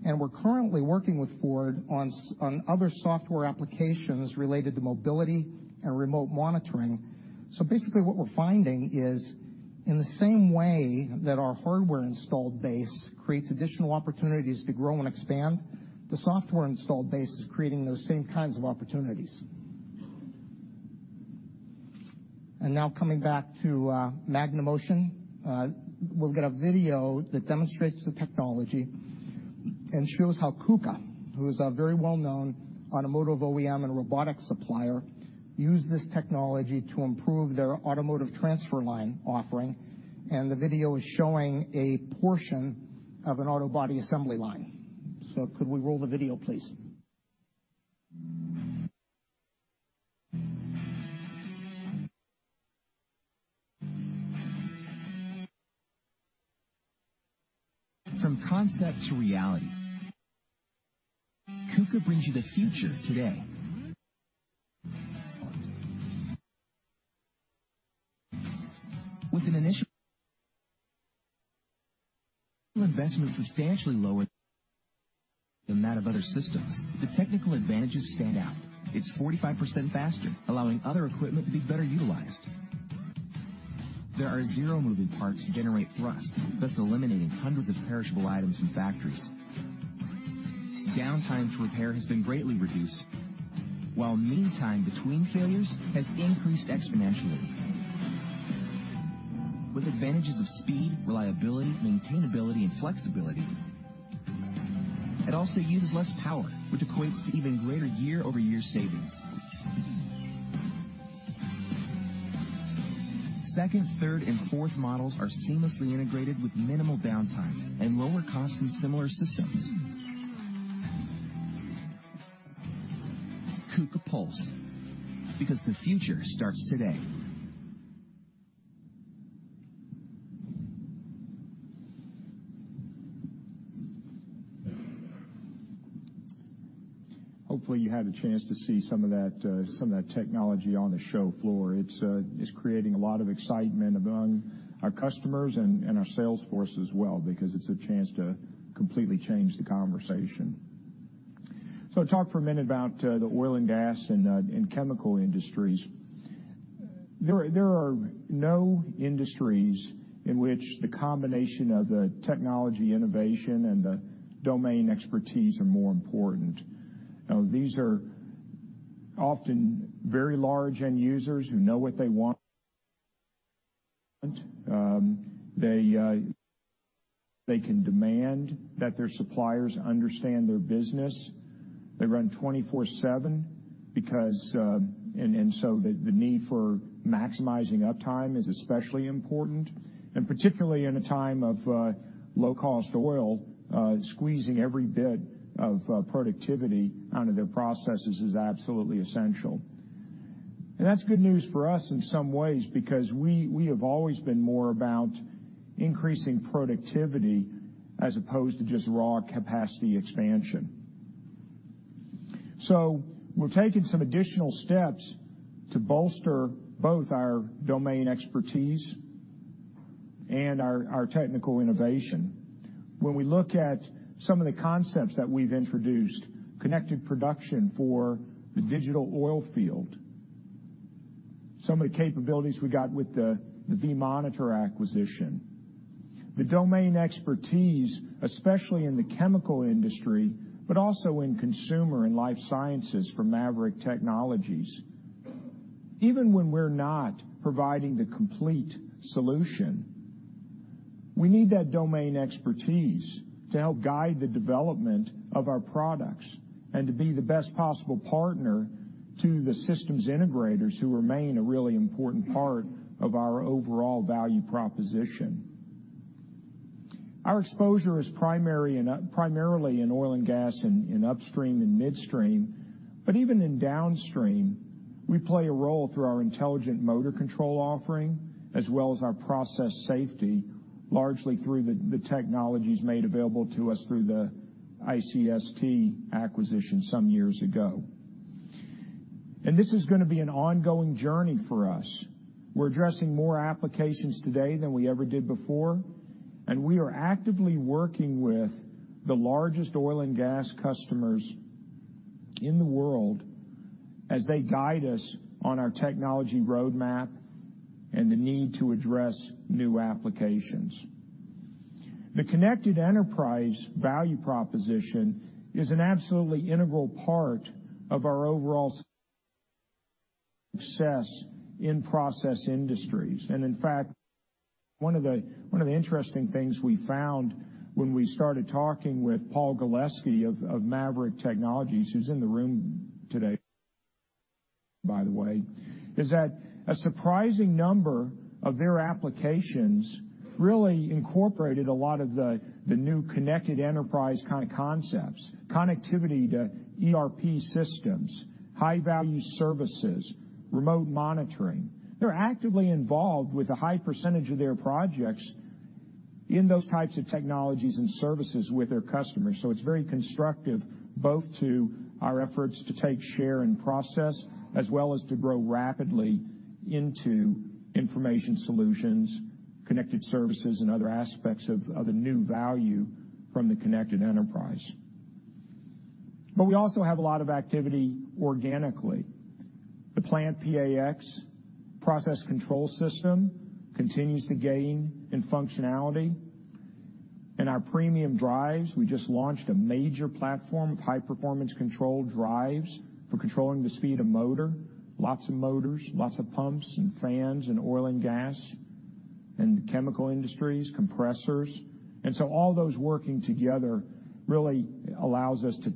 and we're currently working with Ford on other software applications related to mobility and remote monitoring. Basically, what we're finding is in the same way that our hardware installed base creates additional opportunities to grow and expand, the software installed base is creating those same kinds of opportunities. Now coming back to MagneMotion, we've got a video that demonstrates the technology and shows how KUKA, who is a very well-known automotive OEM and robotics supplier, used this technology to improve their automotive transfer line offering, and the video is showing a portion of an auto body assembly line. Could we roll the video, please? From concept to reality, KUKA brings you the future today. With an initial investment substantially lower than that of other systems, the technical advantages stand out. It's 45% faster, allowing other equipment to be better utilized. There are zero moving parts to generate thrust, thus eliminating hundreds of perishable items in factories. Downtime to repair has been greatly reduced, while mean time between failures has increased exponentially. With advantages of speed, reliability, maintainability, and flexibility. It also uses less power, which equates to even greater year-over-year savings. Second, third, and fourth models are seamlessly integrated with minimal downtime and lower cost than similar systems. KUKA.Pulse, because the future starts today. Hopefully, you had a chance to see some of that technology on the show floor. It's creating a lot of excitement among our customers and our sales force as well, because it's a chance to completely change the conversation. I'll talk for a minute about the oil and gas and chemical industries. There are no industries in which the combination of the technology innovation and the domain expertise are more important. These are often very large end users who know what they want. They can demand that their suppliers understand their business. They run 24/7, the need for maximizing uptime is especially important, and particularly in a time of low-cost oil, squeezing every bit of productivity out of their processes is absolutely essential. That's good news for us in some ways because we have always been more about increasing productivity as opposed to just raw capacity expansion. We're taking some additional steps to bolster both our domain expertise and our technical innovation. When we look at some of the concepts that we've introduced, Connected Production for the digital oil field, some of the capabilities we got with the vMonitor acquisition, the domain expertise, especially in the chemical industry, but also in consumer and life sciences for MAVERICK Technologies. Even when we're not providing the complete solution, we need that domain expertise to help guide the development of our products and to be the best possible partner to the systems integrators who remain a really important part of our overall value proposition. Our exposure is primarily in oil and gas and in upstream and midstream, but even in downstream, we play a role through our intelligent motor control offering, as well as our process safety, largely through the technologies made available to us through the ICS T acquisition some years ago. This is going to be an ongoing journey for us. We're addressing more applications today than we ever did before, and we are actively working with the largest oil and gas customers in the world as they guide us on our technology roadmap and the need to address new applications. The Connected Enterprise value proposition is an absolutely integral part of our overall success in process industries. In fact, one of the interesting things we found when we started talking with Paul Galeski of MAVERICK Technologies, who's in the room today, by the way, is that a surprising number of their applications really incorporated a lot of the new Connected Enterprise kind of concepts, connectivity to ERP systems, high-value services, remote monitoring. They're actively involved with a high percentage of their projects in those types of technologies and services with their customers. It's very constructive, both to our efforts to take, share, and process, as well as to grow rapidly into information solutions, connected services, and other aspects of the new value from the Connected Enterprise. We also have a lot of activity organically. The PlantPAx process control system continues to gain in functionality. In our premium drives, we just launched a major platform of high-performance control drives for controlling the speed of motor, lots of motors, lots of pumps and fans in oil and gas and chemical industries, compressors. All those working together really allows us to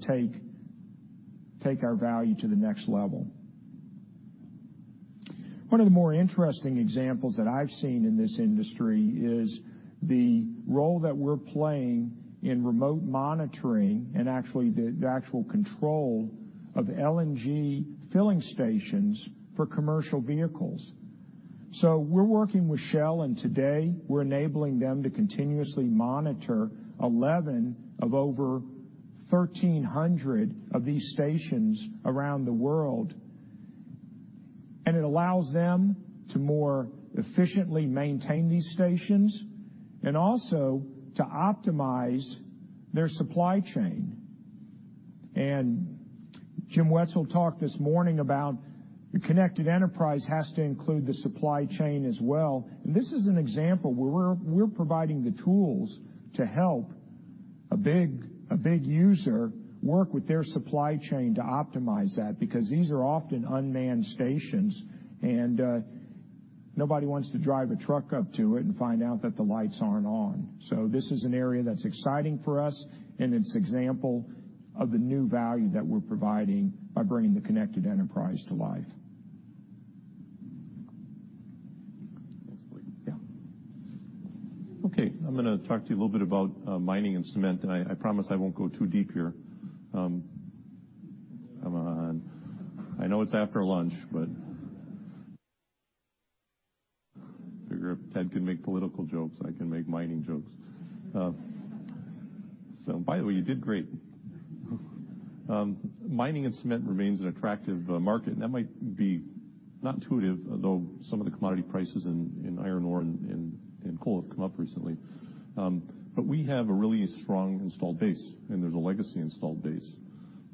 take our value to the next level. One of the more interesting examples that I've seen in this industry is the role that we're playing in remote monitoring and the actual control of LNG filling stations for commercial vehicles. We're working with Shell, and today, we're enabling them to continuously monitor 11 of over 1,300 of these stations around the world. It allows them to more efficiently maintain these stations and also to optimize their supply chain. Jim Wetzel talked this morning about the Connected Enterprise has to include the supply chain as well. This is an example where we're providing the tools to help a big user work with their supply chain to optimize that because these are often unmanned stations, and nobody wants to drive a truck up to it and find out that the lights aren't on. This is an area that's exciting for us, and it's example of the new value that we're providing by bringing the Connected Enterprise to life. Thanks, Blake. Yeah. Okay, I'm going to talk to you a little bit about mining and cement, and I promise I won't go too deep here. Come on. I know it's after lunch. I figure if Ted can make political jokes, I can make mining jokes. By the way, you did great. Mining and cement remains an attractive market. That might be not intuitive, although some of the commodity prices in iron ore and coal have come up recently. We have a really strong installed base, and there's a legacy installed base.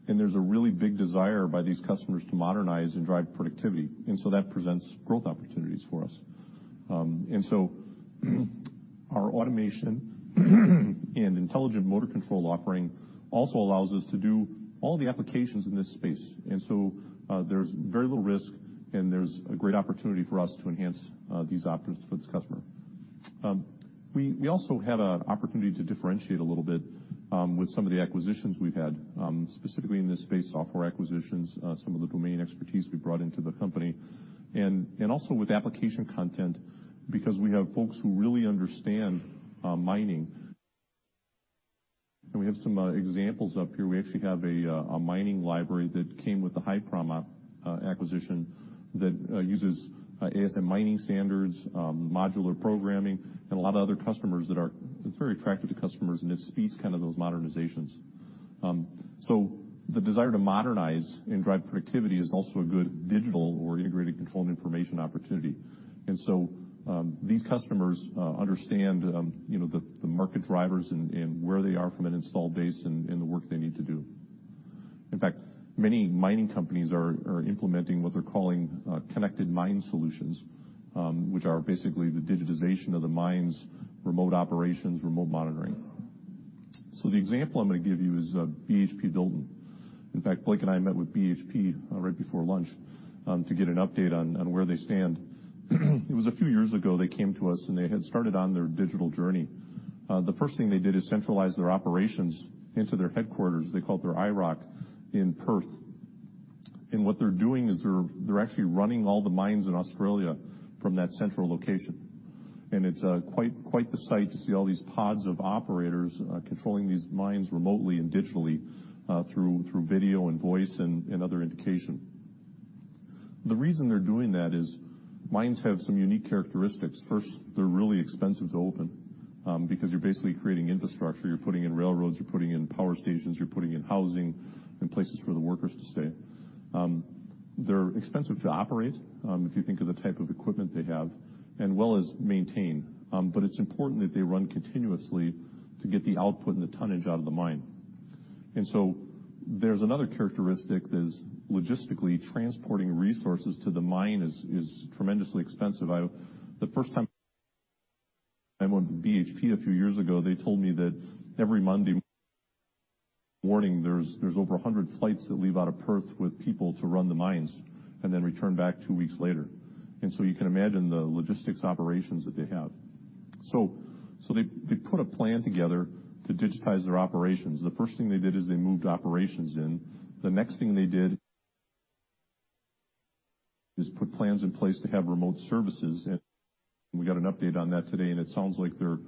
There's a really big desire by these customers to modernize and drive productivity. That presents growth opportunities for us. Our automation and intelligent motor control offering also allows us to do all the applications in this space. There's very little risk, and there's a great opportunity for us to enhance these offerings for this customer. We also had an opportunity to differentiate a little bit with some of the acquisitions we've had, specifically in this space, software acquisitions, some of the domain expertise we brought into the company, and also with application content because we have folks who really understand mining. We have some examples up here. We actually have a mining library that came with the Hiprom acquisition that uses ASM mining standards, modular programming, and it's very attractive to customers, and it speeds kind of those modernizations. The desire to modernize and drive productivity is also a good digital or integrated control and information opportunity. These customers understand the market drivers and where they are from an installed base and the work they need to do. In fact, many mining companies are implementing what they're calling connected mine solutions, which are basically the digitization of the mine's remote operations, remote monitoring. The example I'm going to give you is BHP Billiton. In fact, Blake and I met with BHP right before lunch to get an update on where they stand. It was a few years ago, they came to us, and they had started on their digital journey. The first thing they did is centralize their operations into their headquarters, they call it their IROC, in Perth. What they're doing is they're actually running all the mines in Australia from that central location, and it's quite the sight to see all these pods of operators controlling these mines remotely and digitally through video and voice and other indication. The reason they're doing that is mines have some unique characteristics. First, they're really expensive to open, because you're basically creating infrastructure. You're putting in railroads, you're putting in power stations, you're putting in housing and places for the workers to stay. They're expensive to operate, if you think of the type of equipment they have, as well as maintain. It's important that they run continuously to get the output and the tonnage out of the mine. There's another characteristic that is logistically transporting resources to the mine is tremendously expensive. The first time I went to BHP a few years ago, they told me that every Monday morning, there's over 100 flights that leave out of Perth with people to run the mines and then return back two weeks later. You can imagine the logistics operations that they have. They put a plan together to digitize their operations. The first thing they did is they moved operations in. The next thing they did is put plans in place to have remote services, and we got an update on that today, and it sounds like they're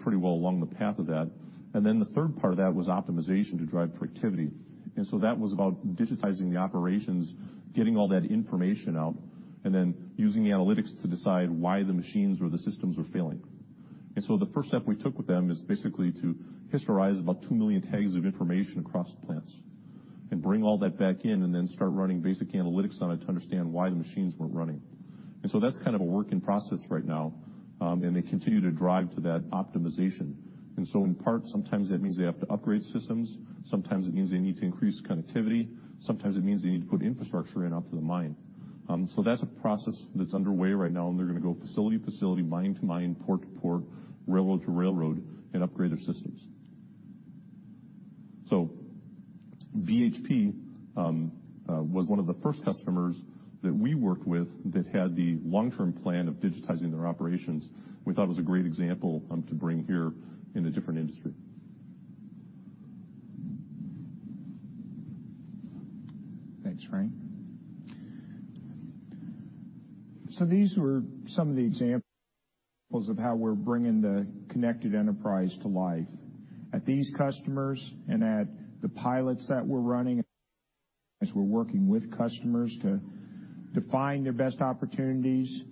pretty well along the path of that. The third part of that was optimization to drive productivity. That was about digitizing the operations, getting all that information out, and then using analytics to decide why the machines or the systems are failing. The first step we took with them is basically to historize about 2 million tags of information across the plants and bring all that back in and then start running basic analytics on it to understand why the machines weren't running. That's kind of a work in process right now. They continue to drive to that optimization. In part, sometimes that means they have to upgrade systems, sometimes it means they need to increase connectivity, sometimes it means they need to put infrastructure in out to the mine. That's a process that's underway right now, and they're going to go facility to facility, mine to mine, port to port, railroad to railroad, and upgrade their systems. BHP was one of the first customers that we worked with that had the long-term plan of digitizing their operations. We thought it was a great example to bring here in a different industry. Thanks, Frank. These were some of the examples of how we're bringing the Connected Enterprise to life. At these customers and at the pilots that we're running, as we're working with customers to define their best opportunities,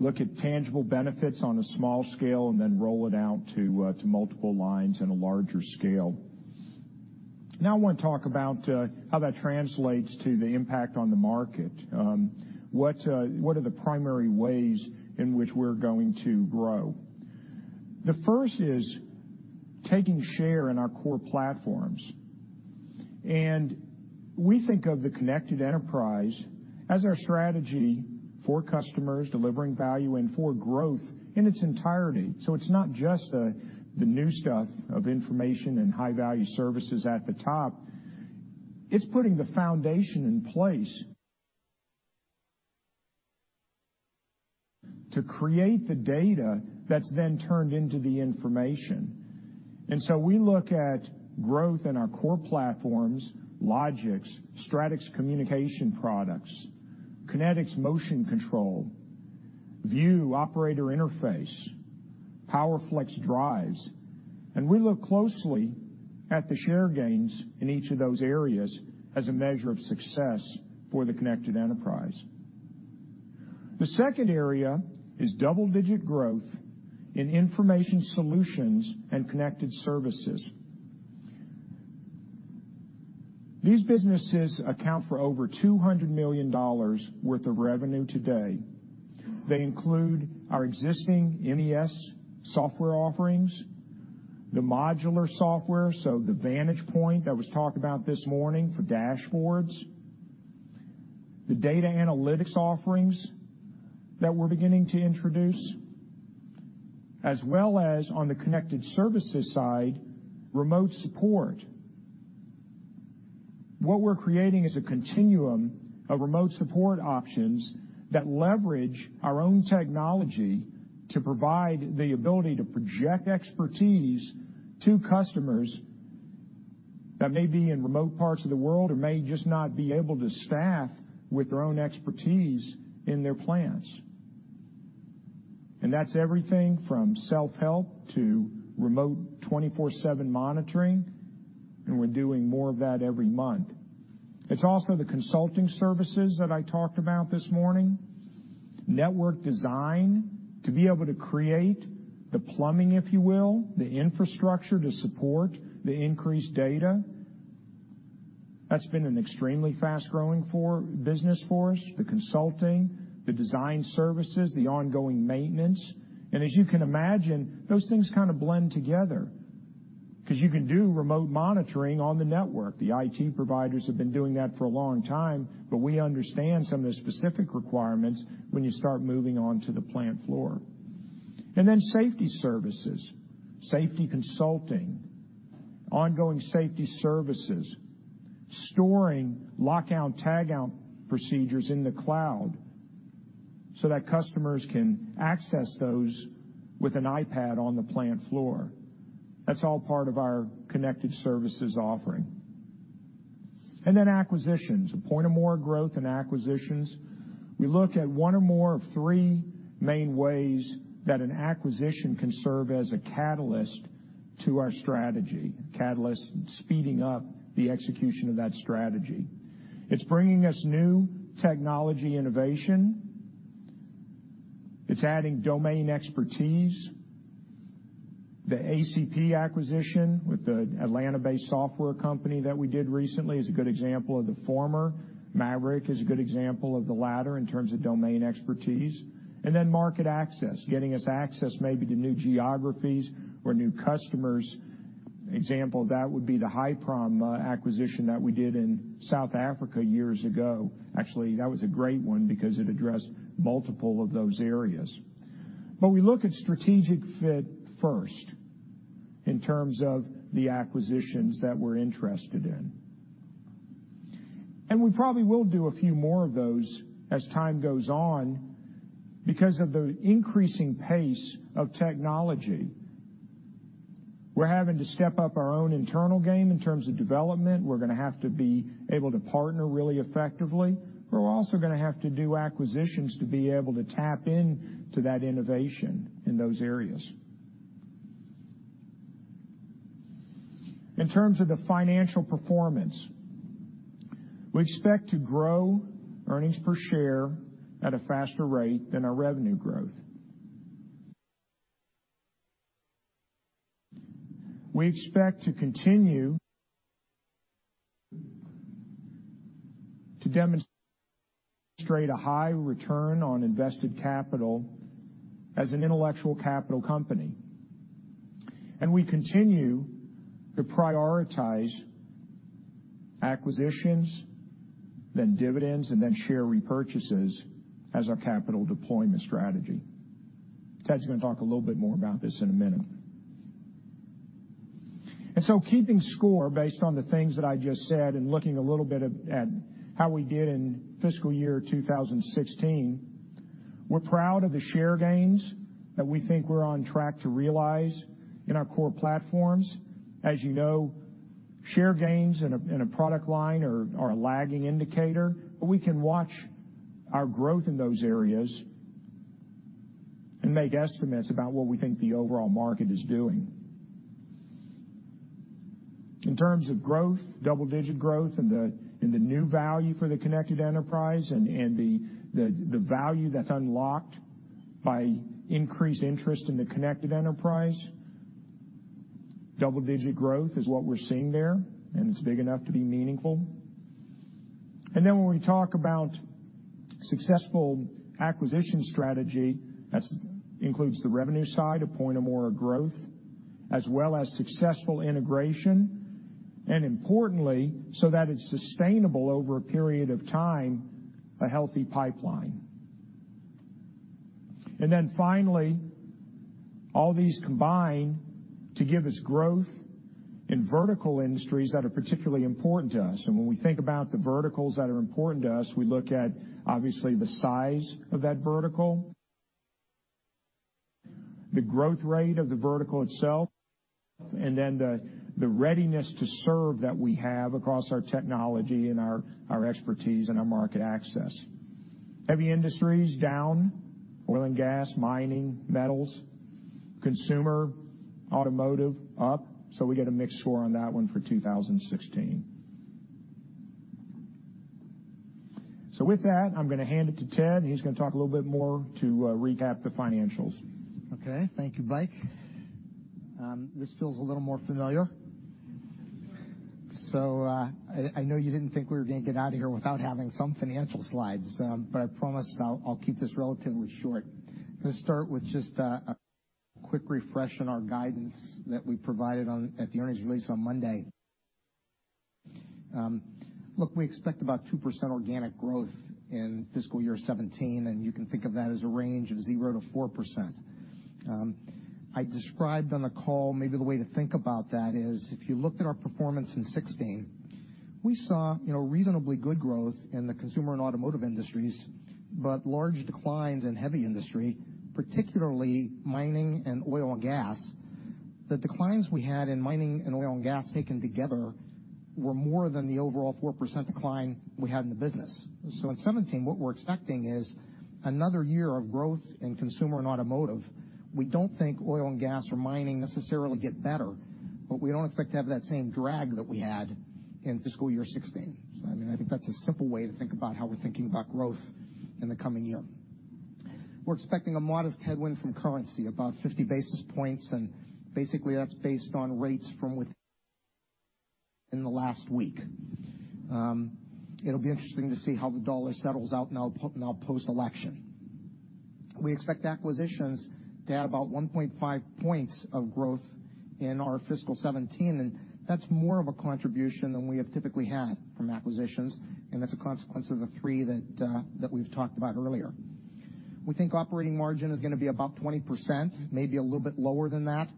look at tangible benefits on a small scale, and then roll it out to multiple lines on a larger scale. Now I want to talk about how that translates to the impact on the market. What are the primary ways in which we're going to grow? The first is taking share in our core platforms. We think of the Connected Enterprise as our strategy for customers delivering value and for growth in its entirety. It's not just the new stuff of information and high-value services at the top. It's putting the foundation in place to create the data that's then turned into the information. We look at growth in our core platforms, Logix, Stratix communication products, Kinetix motion control, View operator interface, PowerFlex drives. We look closely at the share gains in each of those areas as a measure of success for the Connected Enterprise. The second area is double-digit growth in information solutions and connected services. These businesses account for over $200 million worth of revenue today. They include our existing MES software offerings, the modular software, the VantagePoint that was talked about this morning for dashboards, the data analytics offerings that we're beginning to introduce, as well as on the connected services side, remote support. What we're creating is a continuum of remote support options that leverage our own technology to provide the ability to project expertise to customers that may be in remote parts of the world or may just not be able to staff with their own expertise in their plants. That's everything from self-help to remote 24/7 monitoring. We're doing more of that every month. It's also the consulting services that I talked about this morning, network design, to be able to create the plumbing, if you will, the infrastructure to support the increased data. That's been an extremely fast-growing business for us, the consulting, the design services, the ongoing maintenance. As you can imagine, those things kind of blend together, because you can do remote monitoring on the network. The IT providers have been doing that for a long time. We understand some of the specific requirements when you start moving onto the plant floor. Safety services, safety consulting, ongoing safety services, storing lock out tag out procedures in the cloud so that customers can access those with an iPad on the plant floor. That's all part of our connected services offering. Acquisitions. A point of more growth in acquisitions. We look at one or more of three main ways that an acquisition can serve as a catalyst to our strategy, catalyst speeding up the execution of that strategy. It's bringing us new technology innovation. It's adding domain expertise. The ACP acquisition with the Atlanta-based software company that we did recently is a good example of the former. MAVERICK is a good example of the latter in terms of domain expertise. Market access, getting us access maybe to new geographies or new customers. Example of that would be the Hiprom acquisition that we did in South Africa years ago. Actually, that was a great one because it addressed multiple of those areas. We look at strategic fit first in terms of the acquisitions that we're interested in. We probably will do a few more of those as time goes on because of the increasing pace of technology. We're having to step up our own internal game in terms of development. We're going to have to be able to partner really effectively. We're also going to have to do acquisitions to be able to tap into that innovation in those areas. In terms of the financial performance, we expect to grow earnings per share at a faster rate than our revenue growth. We expect to continue to demonstrate a high return on invested capital as an intellectual capital company. We continue to prioritize acquisitions, then dividends, and then share repurchases as our capital deployment strategy. Ted's going to talk a little bit more about this in a minute. Keeping score based on the things that I just said and looking a little bit at how we did in fiscal year 2016, we're proud of the share gains that we think we're on track to realize in our core platforms. As you know, share gains in a product line are a lagging indicator. We can watch our growth in those areas and make estimates about what we think the overall market is doing. In terms of growth, double-digit growth in the new value for the Connected Enterprise and the value that's unlocked by increased interest in the Connected Enterprise, double-digit growth is what we're seeing there, and it's big enough to be meaningful. When we talk about successful acquisition strategy, that includes the revenue side, a point of more growth, as well as successful integration, and importantly, so that it's sustainable over a period of time, a healthy pipeline. Finally, all these combine to give us growth in vertical industries that are particularly important to us. When we think about the verticals that are important to us, we look at, obviously, the size of that vertical, the growth rate of the vertical itself, and then the readiness to serve that we have across our technology and our expertise and our market access. Heavy industries down, oil and gas, mining, metals, consumer, automotive up, we get a mixed score on that one for 2016. With that, I'm going to hand it to Ted, and he's going to talk a little bit more to recap the financials. Thank you, Blake. This feels a little more familiar. I know you didn't think we were going to get out of here without having some financial slides, but I promise I'll keep this relatively short. I'm going to start with just a quick refresh on our guidance that we provided at the earnings release on Monday. We expect about 2% organic growth in fiscal year 2017, and you can think of that as a range of 0-4%. I described on the call, maybe the way to think about that is if you looked at our performance in 2016, we saw reasonably good growth in the consumer and automotive industries, but large declines in heavy industry, particularly mining and oil and gas. The declines we had in mining and oil and gas taken together were more than the overall 4% decline we had in the business. In 2017, what we're expecting is another year of growth in consumer and automotive. We don't think oil and gas or mining necessarily get better, but we don't expect to have that same drag that we had in fiscal year 2016. I think that's a simple way to think about how we're thinking about growth in the coming year. We're expecting a modest headwind from currency, about 50 basis points, and basically that's based on rates from within the last week. It'll be interesting to see how the dollar settles out now post-election. We expect acquisitions to add about 1.5 points of growth in our fiscal 2017, and that's more of a contribution than we have typically had from acquisitions, and that's a consequence of the 3 that we've talked about earlier. We think operating margin is going to be about 20%, maybe a little bit lower than that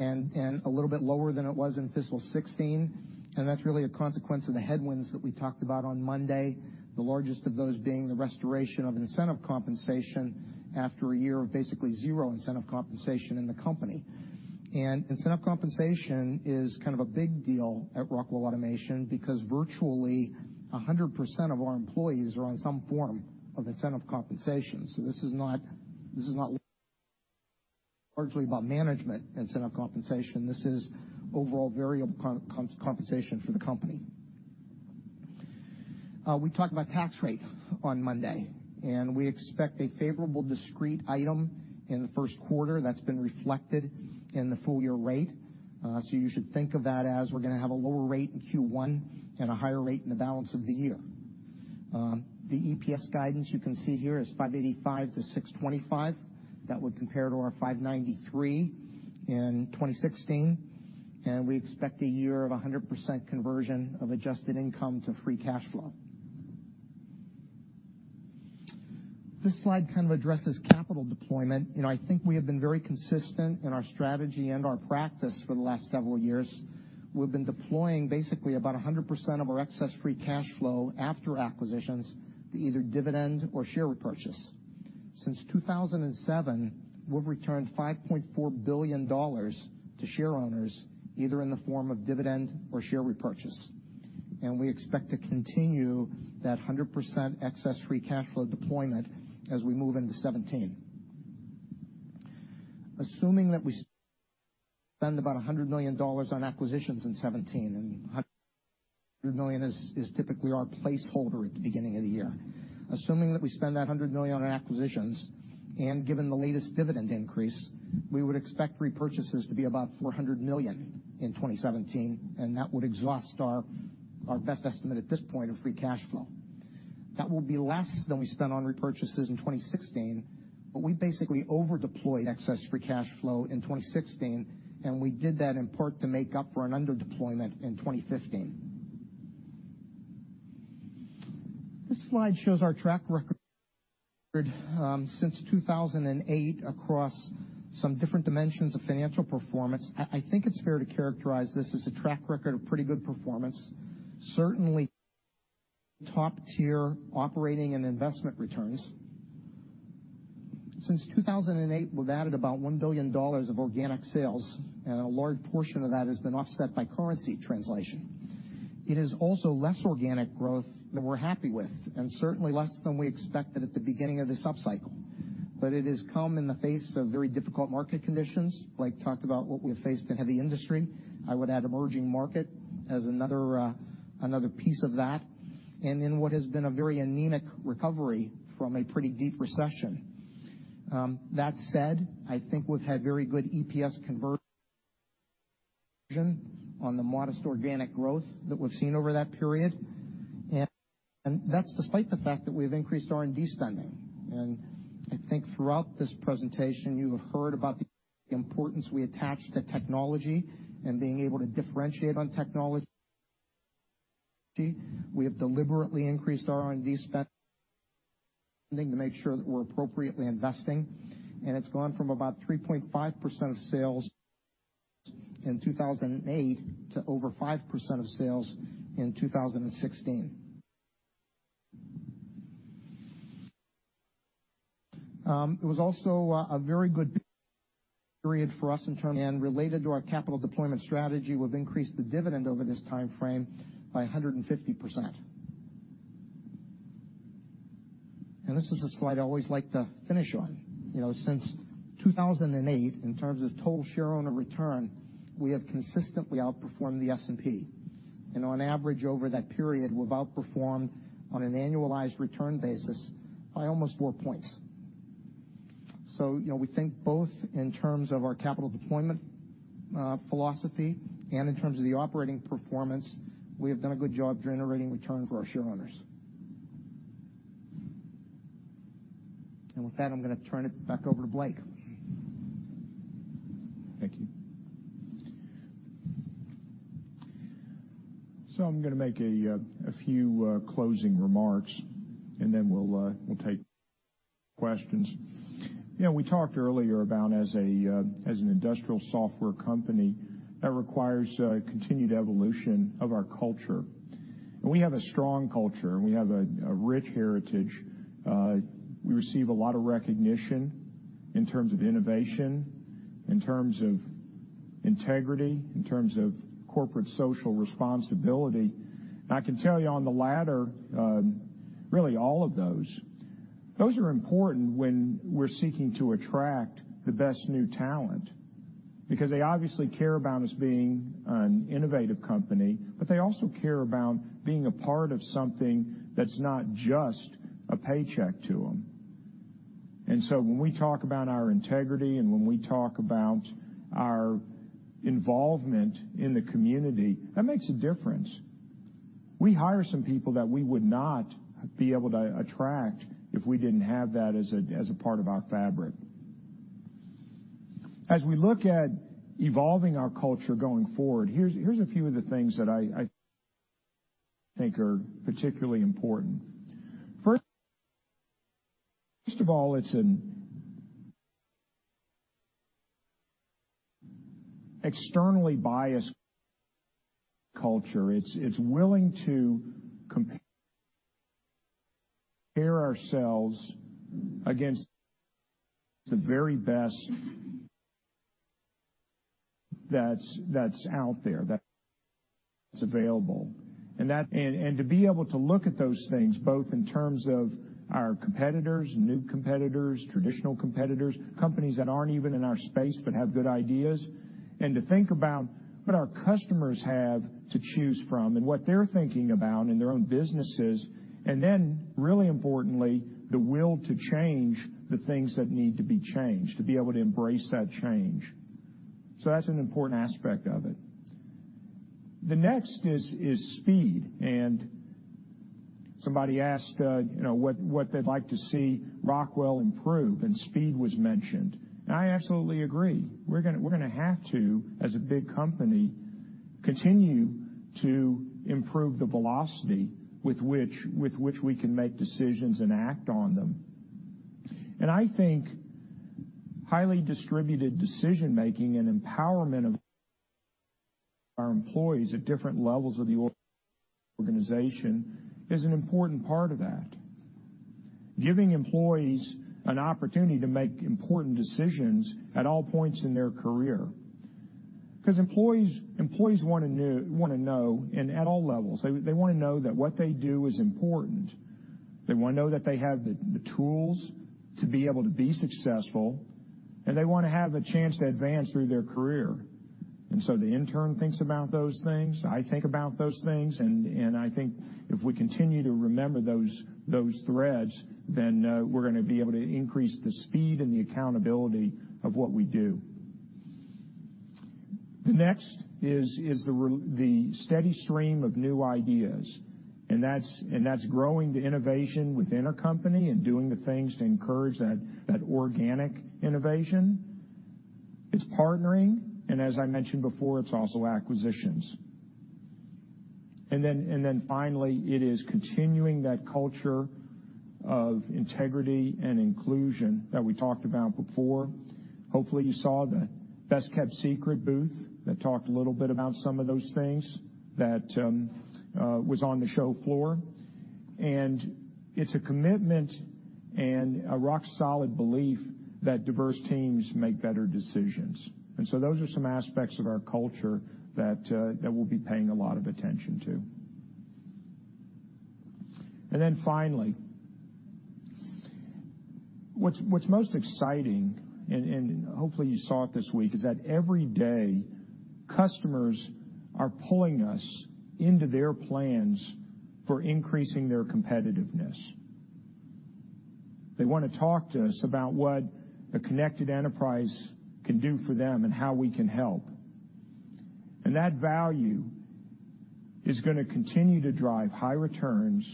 and a little bit lower than it was in fiscal 2016. That's really a consequence of the headwinds that we talked about on Monday, the largest of those being the restoration of incentive compensation after a year of basically zero incentive compensation in the company. Incentive compensation is kind of a big deal at Rockwell Automation because virtually 100% of our employees are on some form of incentive compensation. This is not largely about management incentive compensation. This is overall variable compensation for the company. We talked about tax rate on Monday, we expect a favorable discrete item in the first quarter that's been reflected in the full-year rate. You should think of that as we're going to have a lower rate in Q1 and a higher rate in the balance of the year. The EPS guidance you can see here is $5.85 to $6.25. That would compare to our $5.93 in 2016, we expect a year of 100% conversion of adjusted income to free cash flow. This slide kind of addresses capital deployment, I think we have been very consistent in our strategy and our practice for the last several years. We've been deploying basically about 100% of our excess free cash flow after acquisitions to either dividend or share repurchase. Since 2007, we've returned $5.4 billion to shareowners, either in the form of dividend or share repurchase. We expect to continue that 100% excess free cash flow deployment as we move into 2017. Assuming that we spend about $100 million on acquisitions in 2017, $100 million is typically our placeholder at the beginning of the year. Assuming that we spend that $100 million on acquisitions and given the latest dividend increase, we would expect repurchases to be about $400 million in 2017, that would exhaust our best estimate at this point of free cash flow. That will be less than we spent on repurchases in 2016, we basically over-deployed excess free cash flow in 2016, we did that in part to make up for an under-deployment in 2015. This slide shows our track record since 2008 across some different dimensions of financial performance. I think it's fair to characterize this as a track record of pretty good performance, certainly top-tier operating and investment returns. Since 2008, we've added about $1 billion of organic sales, a large portion of that has been offset by currency translation. It is also less organic growth than we're happy with, certainly less than we expected at the beginning of this upcycle. It has come in the face of very difficult market conditions, Blake talked about what we have faced in heavy industry. I would add emerging market as another piece of that. In what has been a very anemic recovery from a pretty deep recession. That said, I think we've had very good EPS conversion on the modest organic growth that we've seen over that period. That's despite the fact that we've increased R&D spending. I think throughout this presentation, you have heard about the importance we attach to technology and being able to differentiate on technology. We have deliberately increased R&D spending to make sure that we're appropriately investing, it's gone from about 3.5% of sales in 2008 to over 5% of sales in 2016. Related to our capital deployment strategy, we've increased the dividend over this time frame by 150%. This is a slide I always like to finish on. Since 2008, in terms of total shareowner return, we have consistently outperformed the S&P. On average over that period, we've outperformed on an annualized return basis by almost 4 points. We think both in terms of our capital deployment philosophy and in terms of the operating performance, we have done a good job generating return for our shareowners. With that, I'm going to turn it back over to Blake. Thank you. I'm going to make a few closing remarks, then we'll take questions. We talked earlier about as an industrial software company, that requires continued evolution of our culture. We have a strong culture, and we have a rich heritage. We receive a lot of recognition in terms of innovation, in terms of integrity, in terms of corporate social responsibility. I can tell you on the latter, really all of those are important when we're seeking to attract the best new talent, because they obviously care about us being an innovative company. They also care about being a part of something that's not just a paycheck to them. When we talk about our integrity and when we talk about our involvement in the community, that makes a difference. We hire some people that we would not be able to attract if we didn't have that as a part of our fabric. As we look at evolving our culture going forward, here's a few of the things that I think are particularly important. First of all, it's an externally biased culture. It's willing to compare ourselves against the very best that's out there, that's available. To be able to look at those things, both in terms of our competitors, new competitors, traditional competitors, companies that aren't even in our space but have good ideas. To think about what our customers have to choose from and what they're thinking about in their own businesses. Then really importantly, the will to change the things that need to be changed, to be able to embrace that change. That's an important aspect of it. The next is speed, and somebody asked what they'd like to see Rockwell improve, and speed was mentioned. I absolutely agree. We're going to have to, as a big company, continue to improve the velocity with which we can make decisions and act on them. I think highly distributed decision-making and empowerment of our employees at different levels of the organization is an important part of that. Giving employees an opportunity to make important decisions at all points in their career. Because employees want to know, and at all levels, they want to know that what they do is important. They want to know that they have the tools to be able to be successful, and they want to have the chance to advance through their career. The intern thinks about those things. I think about those things, and I think if we continue to remember those threads, then we're going to be able to increase the speed and the accountability of what we do. The next is the steady stream of new ideas, and that's growing the innovation within a company and doing the things to encourage that organic innovation. It's partnering, and as I mentioned before, it's also acquisitions. Finally, it is continuing that culture of integrity and inclusion that we talked about before. Hopefully, you saw the Best Kept Secret booth that talked a little bit about some of those things that was on the show floor. It's a commitment and a rock solid belief that diverse teams make better decisions. Those are some aspects of our culture that we'll be paying a lot of attention to. Finally, what's most exciting, and hopefully you saw it this week, is that every day, customers are pulling us into their plans for increasing their competitiveness. They want to talk to us about what a Connected Enterprise can do for them and how we can help. That value is going to continue to drive high returns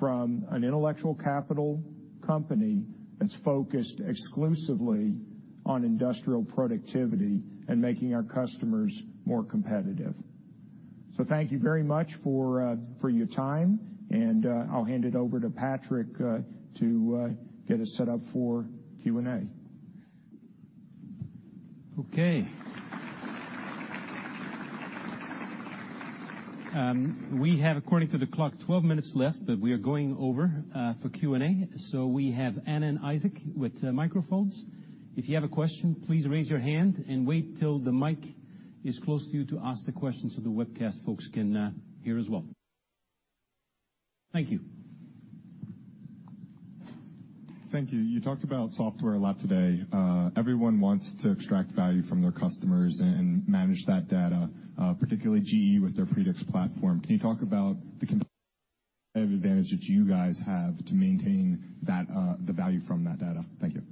from an intellectual capital company that's focused exclusively on industrial productivity and making our customers more competitive. Thank you very much for your time, and I'll hand it over to Patrick to get us set up for Q&A. Okay. We have, according to the clock, 12 minutes left. We are going over for Q&A. We have Anna and Isaac with microphones. If you have a question, please raise your hand and wait till the mic is close to you to ask the question so the webcast folks can hear as well. Thank you. Thank you. You talked about software a lot today. Everyone wants to extract value from their customers and manage that data, particularly GE with their Predix platform. Can you talk about the competitive advantage that you guys have to maintain the value from that data? Thank you.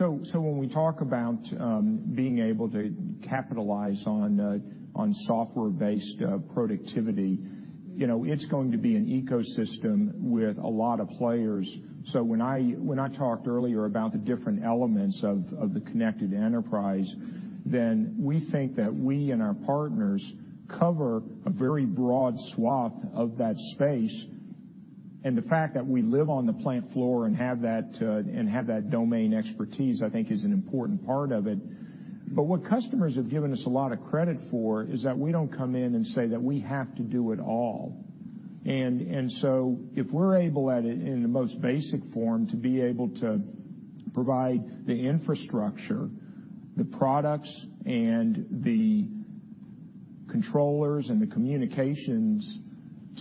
When we talk about being able to capitalize on software-based productivity, it's going to be an ecosystem with a lot of players. When I talked earlier about the different elements of the Connected Enterprise, we think that we and our partners cover a very broad swath of that space. The fact that we live on the plant floor and have that domain expertise, I think is an important part of it. What customers have given us a lot of credit for is that we don't come in and say that we have to do it all. If we're able, in the most basic form, to be able to provide the infrastructure, the products and the controllers and the communications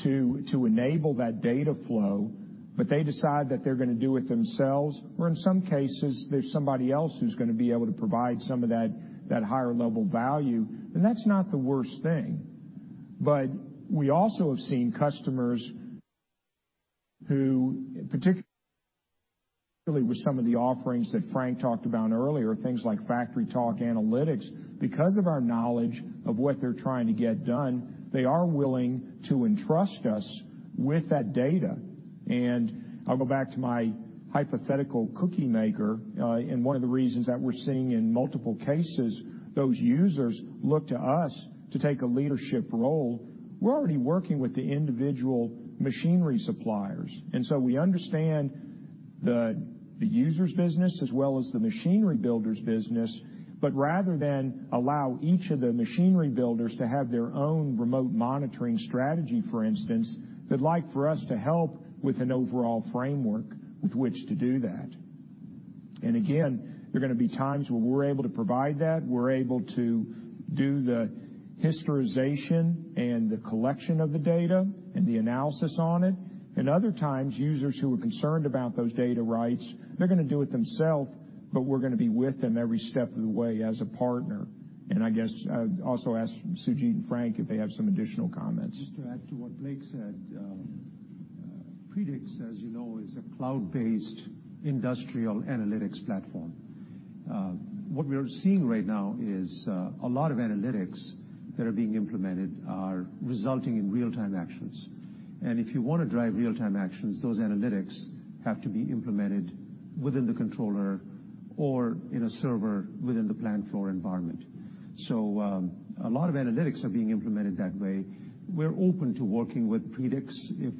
to enable that data flow, but they decide that they're going to do it themselves, or in some cases, there's somebody else who's going to be able to provide some of that higher level value, then that's not the worst thing. We also have seen customers who, particularly with some of the offerings that Frank talked about earlier, things like FactoryTalk Analytics, because of our knowledge of what they're trying to get done, they are willing to entrust us with that data. I'll go back to my hypothetical cookie maker, and one of the reasons that we're seeing in multiple cases, those users look to us to take a leadership role. We're already working with the individual machinery suppliers, so we understand the user's business as well as the machinery builder's business. Rather than allow each of the machinery builders to have their own remote monitoring strategy, for instance, they'd like for us to help with an overall framework with which to do that. Again, there are going to be times where we're able to provide that, we're able to do the historization and the collection of the data and the analysis on it. Other times, users who are concerned about those data rights, they're going to do it themselves, but we're going to be with them every step of the way as a partner. I guess I'd also ask Sujeet and Frank if they have some additional comments. Just to add to what Blake said, Predix, as you know, is a cloud-based industrial analytics platform. What we're seeing right now is a lot of analytics that are being implemented are resulting in real-time actions. If you want to drive real-time actions, those analytics have to be implemented within the controller or in a server within the plant floor environment. A lot of analytics are being implemented that way. We're open to working with Predix if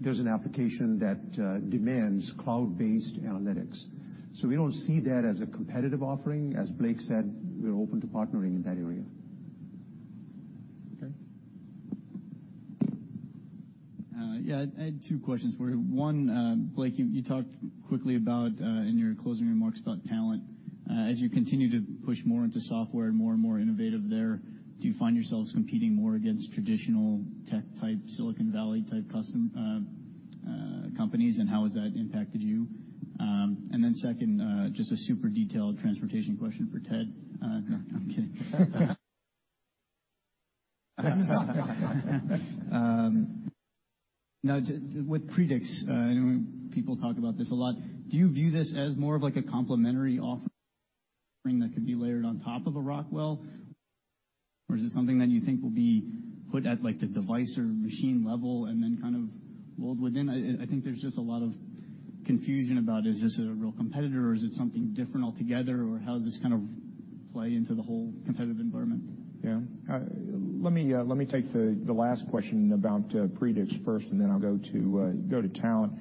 there's an application that demands cloud-based analytics. We don't see that as a competitive offering. As Blake said, we're open to partnering in that area. Okay. I had two questions for you. One, Blake, you talked quickly about, in your closing remarks, about talent. As you continue to push more into software and more and more innovative there, do you find yourselves competing more against traditional tech type, Silicon Valley type companies, and how has that impacted you? Second, just a super detailed transportation question for Ted. No, I'm kidding. With Predix, I know people talk about this a lot, do you view this as more of a complementary offering that could be layered on top of a Rockwell, or is it something that you think will be put at the device or machine level and then kind of mold within? I think there's just a lot of confusion about, is this a real competitor or is it something different altogether, or how does this kind of play into the whole competitive environment? Yeah. Let me take the last question about Predix first and then I'll go to talent.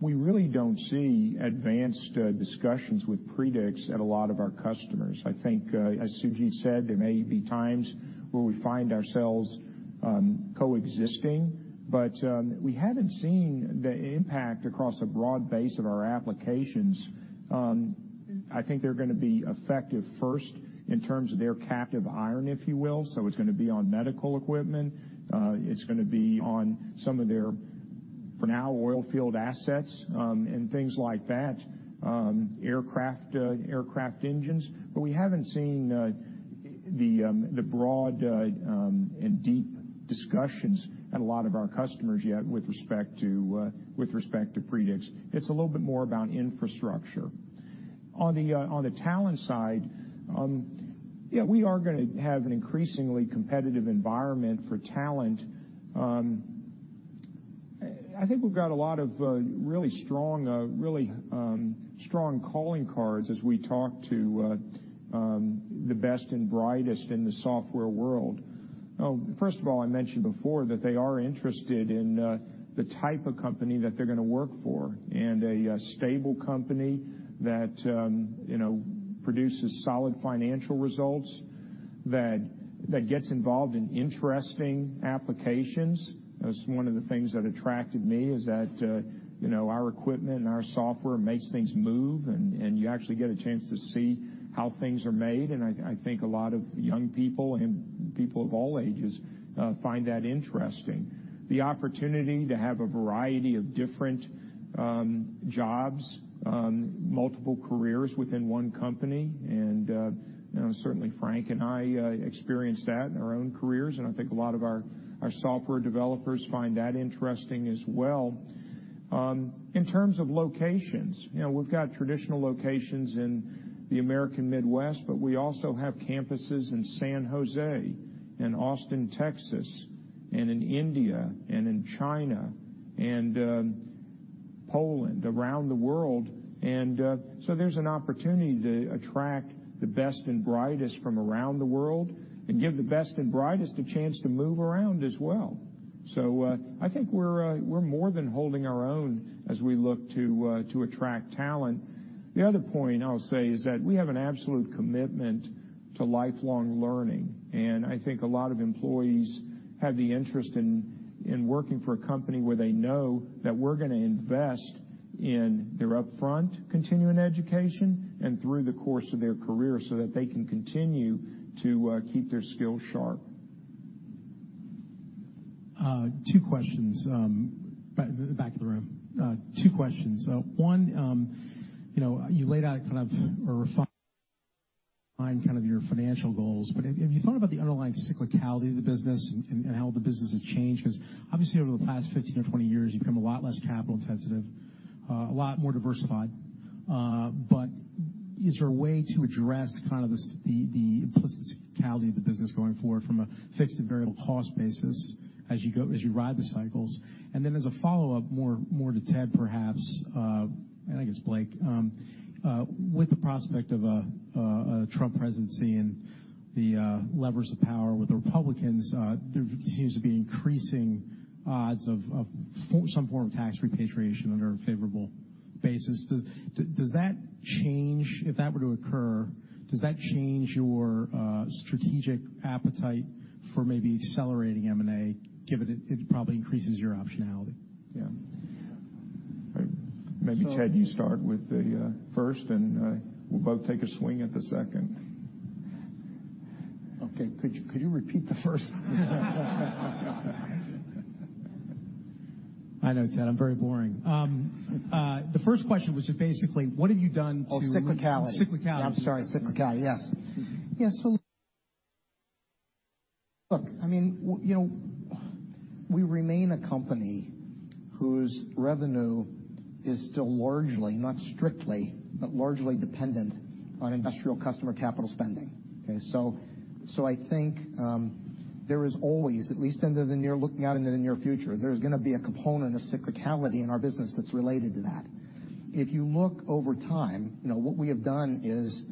We really don't see advanced discussions with Predix at a lot of our customers. I think, as Sujeet said, there may be times where we find ourselves coexisting, but we haven't seen the impact across a broad base of our applications. I think they're going to be effective first in terms of their captive iron, if you will. It's going to be on medical equipment, it's going to be on some of their, for now, oil field assets, and things like that. Aircraft engines. We haven't seen the broad and deep discussions at a lot of our customers yet with respect to Predix. It's a little bit more about infrastructure. On the talent side, we are going to have an increasingly competitive environment for talent. I think we've got a lot of really strong calling cards as we talk to the best and brightest in the software world. First of all, I mentioned before that they are interested in the type of company that they're going to work for, and a stable company that produces solid financial results, that gets involved in interesting applications. That's one of the things that attracted me, is that our equipment and our software makes things move, and you actually get a chance to see how things are made. I think a lot of young people and people of all ages find that interesting. The opportunity to have a variety of different jobs, multiple careers within one company, and certainly Frank and I experienced that in our own careers, I think a lot of our software developers find that interesting as well. In terms of locations, we've got traditional locations in the American Midwest, but we also have campuses in San Jose, in Austin, Texas, in India, in China, and Poland, around the world. There's an opportunity to attract the best and brightest from around the world and give the best and brightest a chance to move around as well. I think we're more than holding our own as we look to attract talent. The other point I'll say is that we have an absolute commitment to lifelong learning, and I think a lot of employees have the interest in working for a company where they know that we're going to invest in their upfront continuing education and through the course of their career so that they can continue to keep their skills sharp. Two questions. Back of the room. Two questions. One, you laid out kind of or refined kind of your financial goals, but have you thought about the underlying cyclicality of the business and how the business has changed? Because obviously, over the past 15 or 20 years, you've become a lot less capital-intensive, a lot more diversified. But is there a way to address kind of the implicit cyclicality of the business going forward from a fixed and variable cost basis as you ride the cycles? As a follow-up, more to Ted perhaps, and I guess Blake, with the prospect of a Trump presidency and the levers of power with the Republicans, there seems to be increasing odds of some form of tax repatriation under a favorable basis. If that were to occur, does that change your strategic appetite for maybe accelerating M&A, given it probably increases your optionality? Yeah. Maybe Ted, you start with the first, and we'll both take a swing at the second. Okay, could you repeat the first? I know, Ted, I'm very boring. The first question was just basically, what have you done? Oh, cyclicality. Cyclicality. I'm sorry, cyclicality. Yes. Look, we remain a company whose revenue is still largely, not strictly, but largely dependent on industrial customer capital spending. Okay? I think there is always, at least looking out into the near future, there's going to be a component of cyclicality in our business that's related to that. If you look over time, what we have done is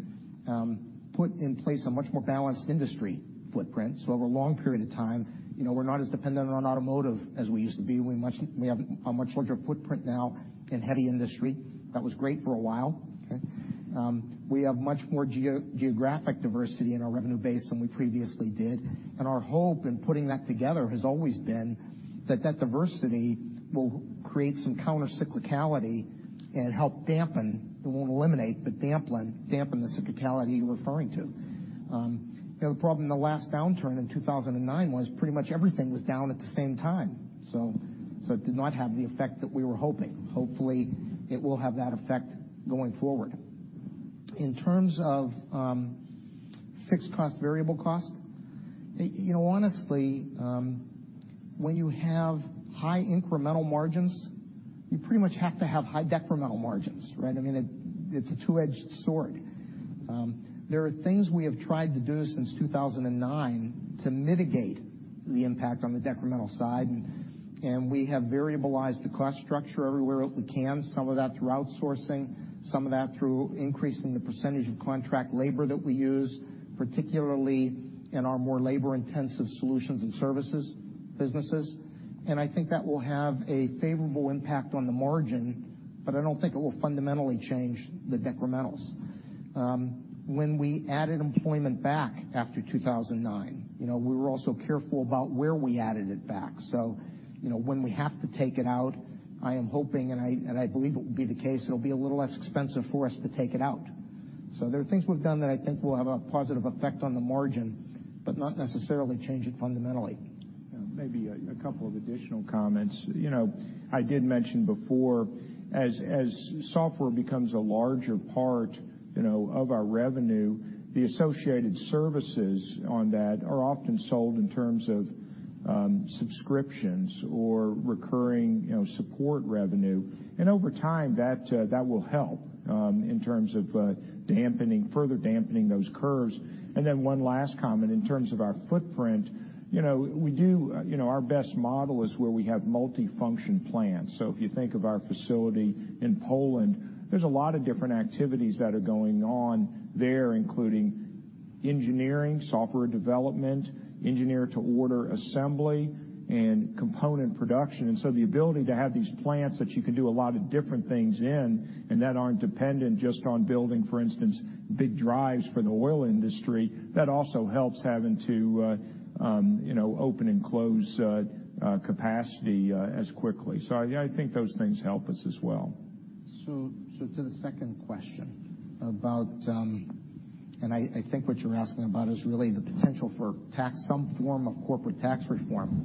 put in place a much more balanced industry footprint. Over a long period of time, we're not as dependent on automotive as we used to be. We have a much larger footprint now in heavy industry. That was great for a while. Okay? We have much more geographic diversity in our revenue base than we previously did. Our hope in putting that together has always been that that diversity will create some counter-cyclicality and help dampen, it won't eliminate, but dampen the cyclicality you're referring to. The problem in the last downturn in 2009 was pretty much everything was down at the same time, so it did not have the effect that we were hoping. Hopefully, it will have that effect going forward. In terms of fixed cost, variable cost, honestly, when you have high incremental margins, you pretty much have to have high decremental margins, right? It's a two-edged sword. There are things we have tried to do since 2009 to mitigate the impact on the decremental side, and we have variabilized the cost structure everywhere we can. Some of that through outsourcing, some of that through increasing the percentage of contract labor that we use, particularly in our more labor-intensive solutions and services businesses. I think that will have a favorable impact on the margin, but I don't think it will fundamentally change the decrementals. When we added employment back after 2009, we were also careful about where we added it back. When we have to take it out, I am hoping, and I believe it will be the case, it'll be a little less expensive for us to take it out. There are things we've done that I think will have a positive effect on the margin, but not necessarily change it fundamentally. Maybe a couple of additional comments. I did mention before, as software becomes a larger part of our revenue, the associated services on that are often sold in terms of subscriptions or recurring support revenue. Over time, that will help in terms of further dampening those curves. One last comment in terms of our footprint, our best model is where we have multifunction plants. If you think of our facility in Poland, there's a lot of different activities that are going on there, including engineering, software development, engineer-to-order assembly, and component production. The ability to have these plants that you can do a lot of different things in and that aren't dependent just on building, for instance, big drives for the oil industry, that also helps having to open and close capacity as quickly. I think those things help us as well. To the second question about, and I think what you're asking about is really the potential for some form of corporate tax reform.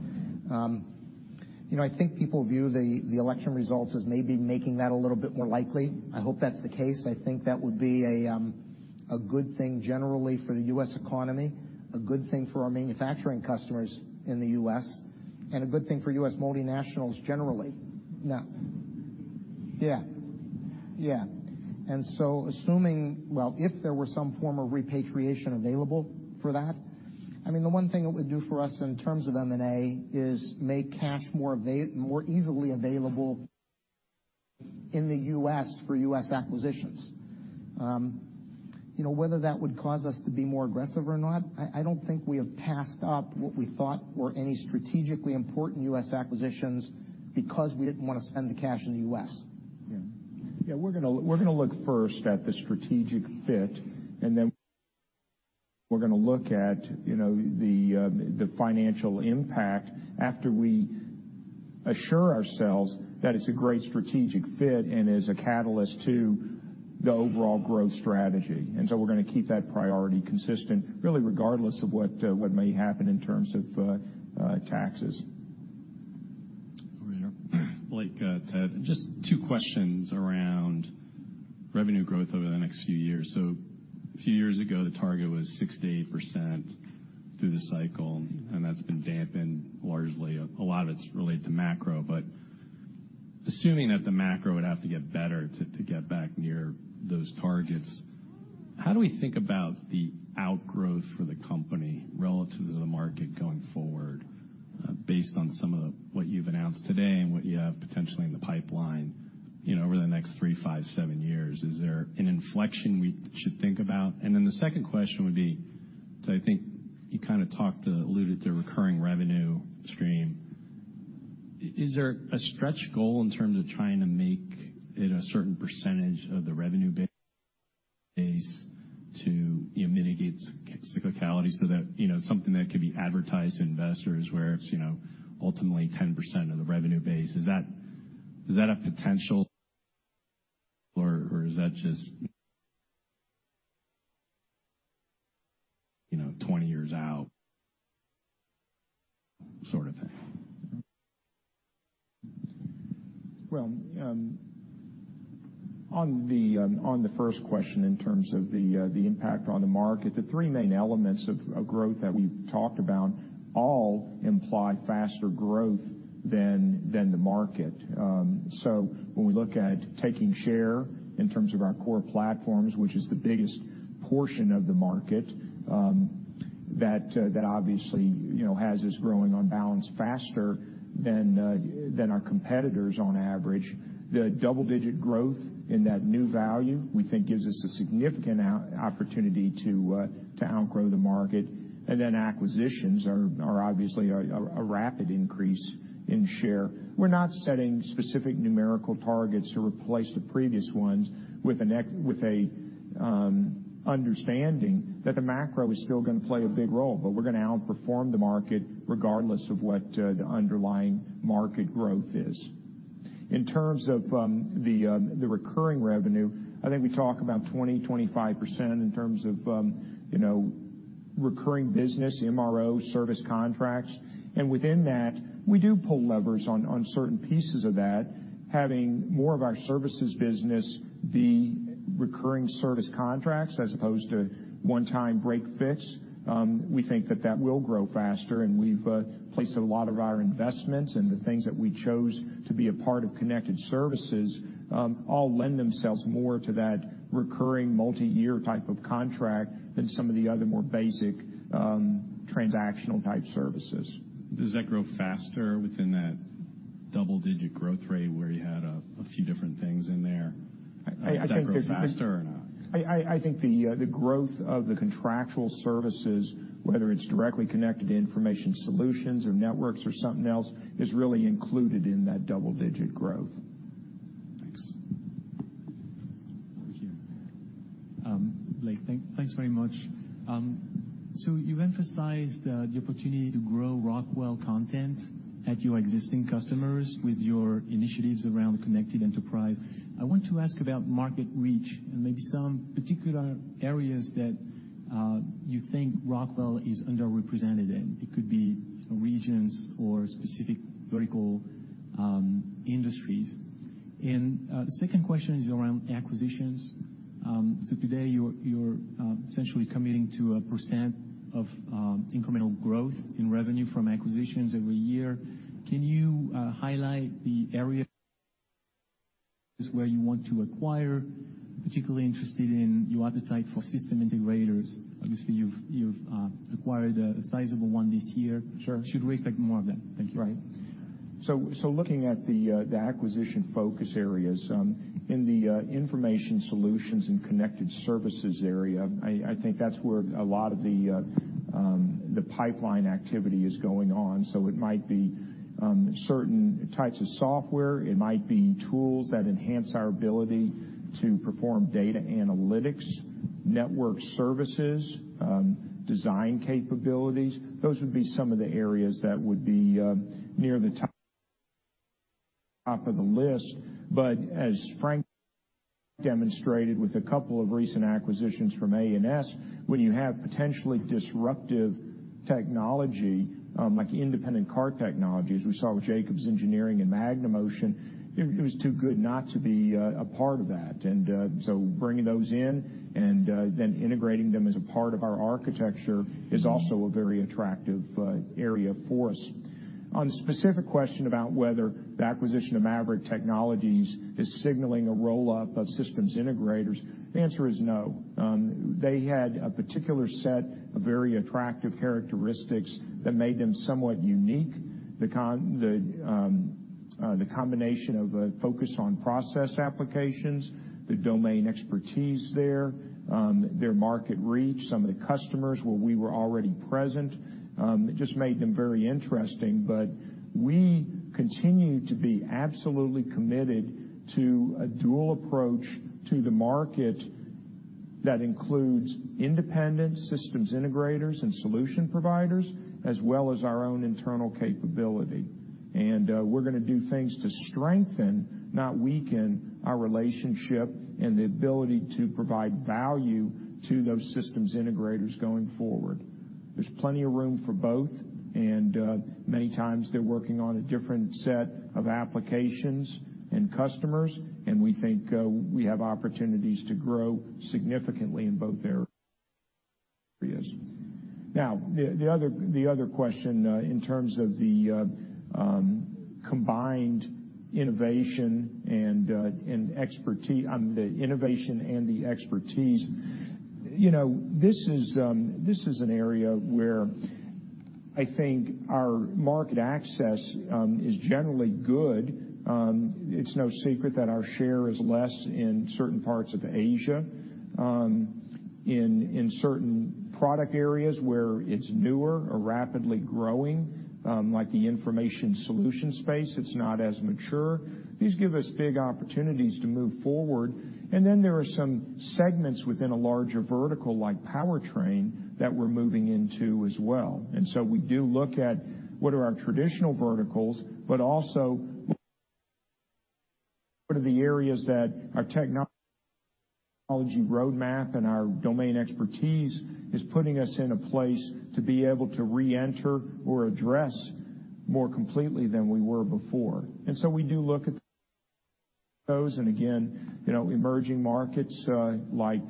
I think people view the election results as maybe making that a little bit more likely. I hope that's the case. I think that would be a good thing generally for the U.S. economy, a good thing for our manufacturing customers in the U.S., and a good thing for U.S. multinationals generally. If there were some form of repatriation available for that, the one thing it would do for us in terms of M&A is make cash more easily available in the U.S. for U.S. acquisitions. Whether that would cause us to be more aggressive or not, I don't think we have passed up what we thought were any strategically important U.S. acquisitions because we didn't want to spend the cash in the U.S. Yeah. We're going to look first at the strategic fit, then we're going to look at the financial impact after we assure ourselves that it's a great strategic fit and is a catalyst to the overall growth strategy. We're going to keep that priority consistent, really regardless of what may happen in terms of taxes. Over here. Blake, Ted, just two questions around revenue growth over the next few years. A few years ago, the target was 6%-8% through the cycle, that's been dampened largely. A lot of it's related to macro, assuming that the macro would have to get better to get back near those targets, how do we think about the outgrowth for the company relative to the market going forward, based on some of what you've announced today and what you have potentially in the pipeline over the next three, five, seven years? Is there an inflection we should think about? The second question would be, I think you kind of alluded to recurring revenue stream. Is there a stretch goal in terms of trying to make it a certain percentage of the revenue base to mitigate cyclicality so that something that could be advertised to investors where it's ultimately 10% of the revenue base? Is that a potential or is that just 20 years out sort of thing? Well, on the first question in terms of the impact on the market, the three main elements of growth that we've talked about all imply faster growth than the market. When we look at taking share in terms of our core platforms, which is the biggest portion of the market, that obviously has us growing on balance faster than our competitors on average. The double-digit growth in that new value we think gives us a significant opportunity to outgrow the market. Acquisitions are obviously a rapid increase in share. We're not setting specific numerical targets to replace the previous ones with an understanding that the macro is still going to play a big role, but we're going to outperform the market regardless of what the underlying market growth is. In terms of the recurring revenue, I think we talk about 20%-25% in terms of recurring business, MRO service contracts. Within that, we do pull levers on certain pieces of that, having more of our services business be recurring service contracts as opposed to one-time break fix. We think that that will grow faster, and we've placed a lot of our investments and the things that we chose to be a part of connected services all lend themselves more to that recurring multi-year type of contract than some of the other more basic transactional type services. Does that grow faster within that double-digit growth rate where you had a few different things in there? Does that grow faster or no? I think the growth of the contractual services, whether it's directly connected to information solutions or networks or something else, is really included in that double-digit growth. Thanks. Over here. Blake, thanks very much. You emphasized the opportunity to grow Rockwell content at your existing customers with your initiatives around Connected Enterprise. I want to ask about market reach and maybe some particular areas that you think Rockwell is underrepresented in. It could be regions or specific vertical industries. The second question is around acquisitions. Today, you're essentially committing to a percent of incremental growth in revenue from acquisitions every year. Can you highlight the areas where you want to acquire, particularly interested in your appetite for system integrators? Obviously, you've acquired a sizable one this year. Sure. Should we expect more of that? Thank you. Right. Looking at the acquisition focus areas, in the information solutions and connected services area, I think that's where a lot of the pipeline activity is going on. It might be certain types of software, it might be tools that enhance our ability to perform data analytics, network services, design capabilities. Those would be some of the areas that would be near the top of the list. As Frank demonstrated with a couple of recent acquisitions from A&S, when you have potentially disruptive technology, like Independent Cart Technology we saw with Jacobs Automation and MagneMotion, it was too good not to be a part of that. Bringing those in and then integrating them as a part of our architecture is also a very attractive area for us. On the specific question about whether the acquisition of MAVERICK Technologies is signaling a roll-up of system integrators, the answer is no. They had a particular set of very attractive characteristics that made them somewhat unique. The combination of a focus on process applications, the domain expertise there, their market reach, some of the customers where we were already present, it just made them very interesting. We continue to be absolutely committed to a dual approach to the market that includes independent system integrators and solution providers, as well as our own internal capability. We're going to do things to strengthen, not weaken, our relationship and the ability to provide value to those system integrators going forward. There's plenty of room for both. Many times, they're working on a different set of applications and customers. We think we have opportunities to grow significantly in both areas. The other question in terms of the combined innovation and the expertise. This is an area where I think our market access is generally good. It's no secret that our share is less in certain parts of Asia, in certain product areas where it's newer or rapidly growing, like the information solution space, it's not as mature. These give us big opportunities to move forward. There are some segments within a larger vertical, like powertrain, that we're moving into as well. We do look at what are our traditional verticals, but also what are the areas that our technology roadmap and our domain expertise is putting us in a place to be able to reenter or address more completely than we were before. We do look at those. Again, emerging markets like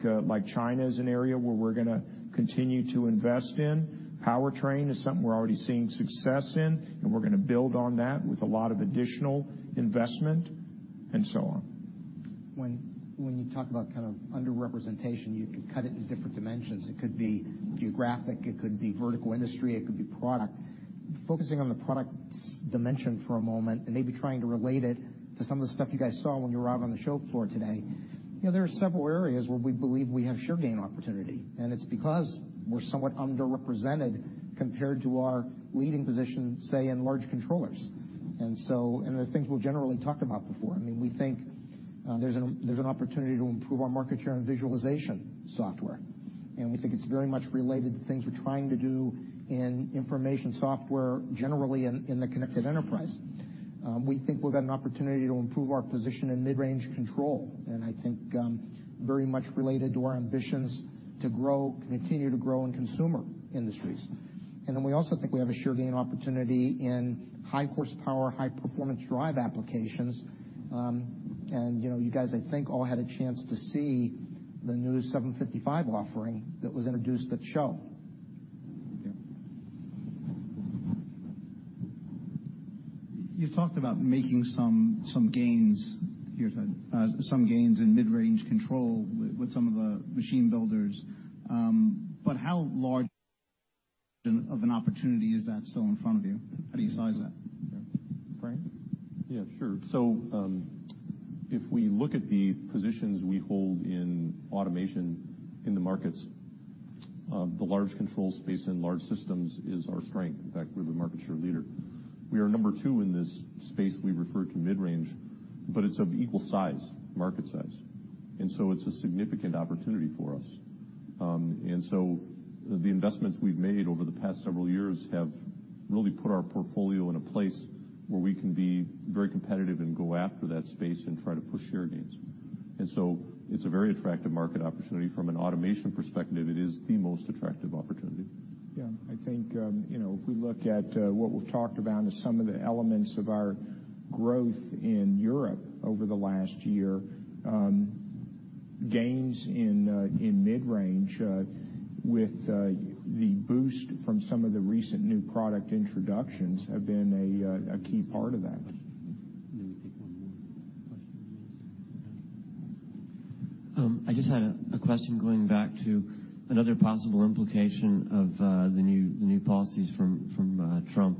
China is an area where we're going to continue to invest in. Powertrain is something we're already seeing success in, and we're going to build on that with a lot of additional investment, and so on. When you talk about kind of under-representation, you could cut it in different dimensions. It could be geographic, it could be vertical industry, it could be product. Focusing on the product's dimension for a moment, maybe trying to relate it to some of the stuff you guys saw when you were out on the show floor today, there are several areas where we believe we have share gain opportunity, and it's because we're somewhat underrepresented compared to our leading position, say, in large controllers. The things we've generally talked about before. We think there's an opportunity to improve our market share in visualization software, and we think it's very much related to things we're trying to do in information software generally in the Connected Enterprise. We also think we have a share gain opportunity in high horsepower, high performance drive applications. You guys, I think all had a chance to see the new 755 offering that was introduced at the show. Yeah. You've talked about making some gains in mid-range control with some of the machine builders. How large of an opportunity is that still in front of you? How do you size that? Frank? Yeah, sure. If we look at the positions we hold in automation in the markets, the large control space and large systems is our strength. In fact, we're the market share leader. We are number 2 in this space we refer to mid-range, but it's of equal size, market size. It's a significant opportunity for us. The investments we've made over the past several years have really put our portfolio in a place where we can be very competitive and go after that space and try to push share gains. It's a very attractive market opportunity. From an automation perspective, it is the most attractive opportunity. Yeah, I think, if we look at what we've talked about as some of the elements of our growth in Europe over the last year, gains in mid-range, with the boost from some of the recent new product introductions, have been a key part of that. Let me take one more question. I just had a question going back to another possible implication of the new policies from Trump.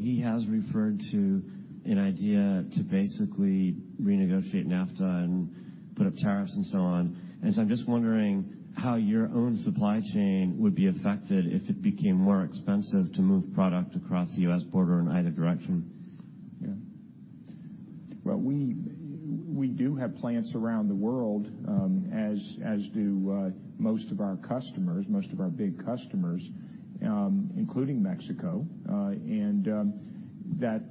He has referred to an idea to basically renegotiate NAFTA and put up tariffs and so on. I'm just wondering how your own supply chain would be affected if it became more expensive to move product across the U.S. border in either direction. Yeah. Well, we do have plants around the world, as do most of our big customers. Including Mexico. That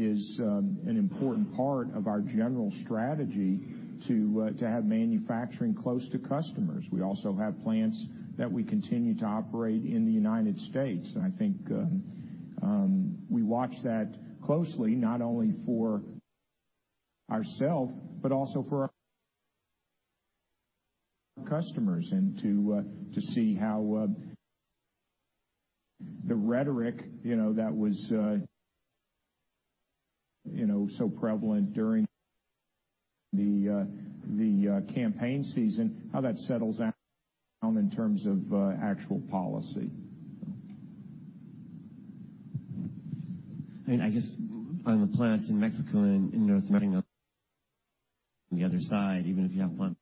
is an important part of our general strategy to have manufacturing close to customers. We also have plants that we continue to operate in the U.S. I think we watch that closely, not only for ourself, but also for our customers, and to see how the rhetoric that was so prevalent during the campaign season, how that settles down in terms of actual policy. I guess on the plants in Mexico and in North America, on the other side, even if you have one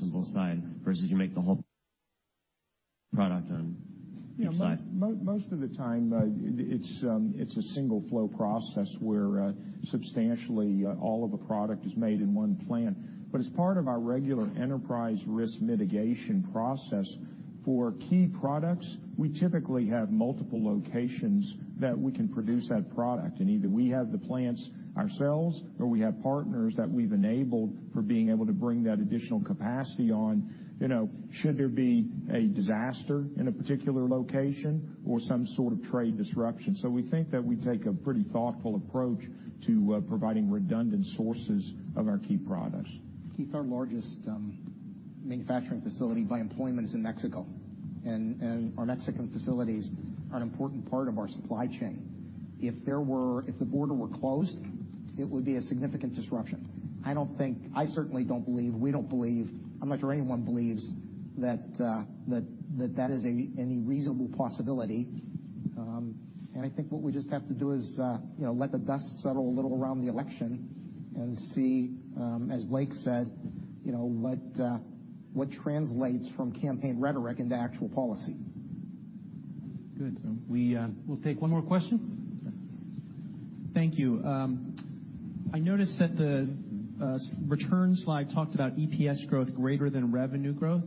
on both sides, versus you make the whole product on each side. Most of the time, it's a single flow process where substantially all of a product is made in one plant. As part of our regular enterprise risk mitigation process for key products, we typically have multiple locations that we can produce that product. Either we have the plants ourselves, or we have partners that we've enabled for being able to bring that additional capacity on, should there be a disaster in a particular location or some sort of trade disruption. We think that we take a pretty thoughtful approach to providing redundant sources of our key products. Keith, our largest manufacturing facility by employment is in Mexico, and our Mexican facilities are an important part of our supply chain. If the border were closed, it would be a significant disruption. I certainly don't believe, we don't believe, I'm not sure anyone believes that that is any reasonable possibility. I think what we just have to do is let the dust settle a little around the election and see, as Blake said, what translates from campaign rhetoric into actual policy. Good. We'll take one more question. Thank you. I noticed that the return slide talked about EPS growth greater than revenue growth.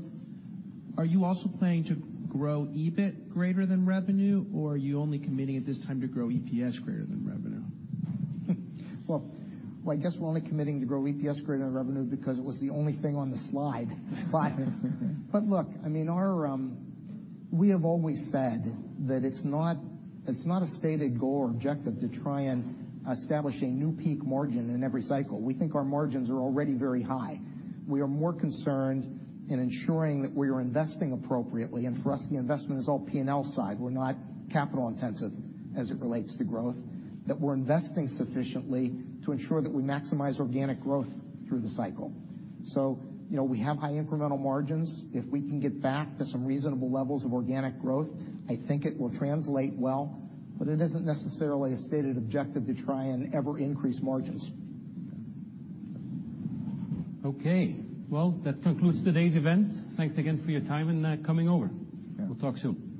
Are you also planning to grow EBIT greater than revenue, or are you only committing at this time to grow EPS greater than revenue? I guess we're only committing to grow EPS greater than revenue because it was the only thing on the slide. Look, we have always said that it's not a stated goal or objective to try and establish a new peak margin in every cycle. We think our margins are already very high. We are more concerned in ensuring that we are investing appropriately. For us, the investment is all P&L side. We're not capital intensive as it relates to growth, that we're investing sufficiently to ensure that we maximize organic growth through the cycle. We have high incremental margins. If we can get back to some reasonable levels of organic growth, I think it will translate well, but it isn't necessarily a stated objective to try and ever increase margins. Okay. Well, that concludes today's event. Thanks again for your time and coming over. Yeah. We'll talk soon.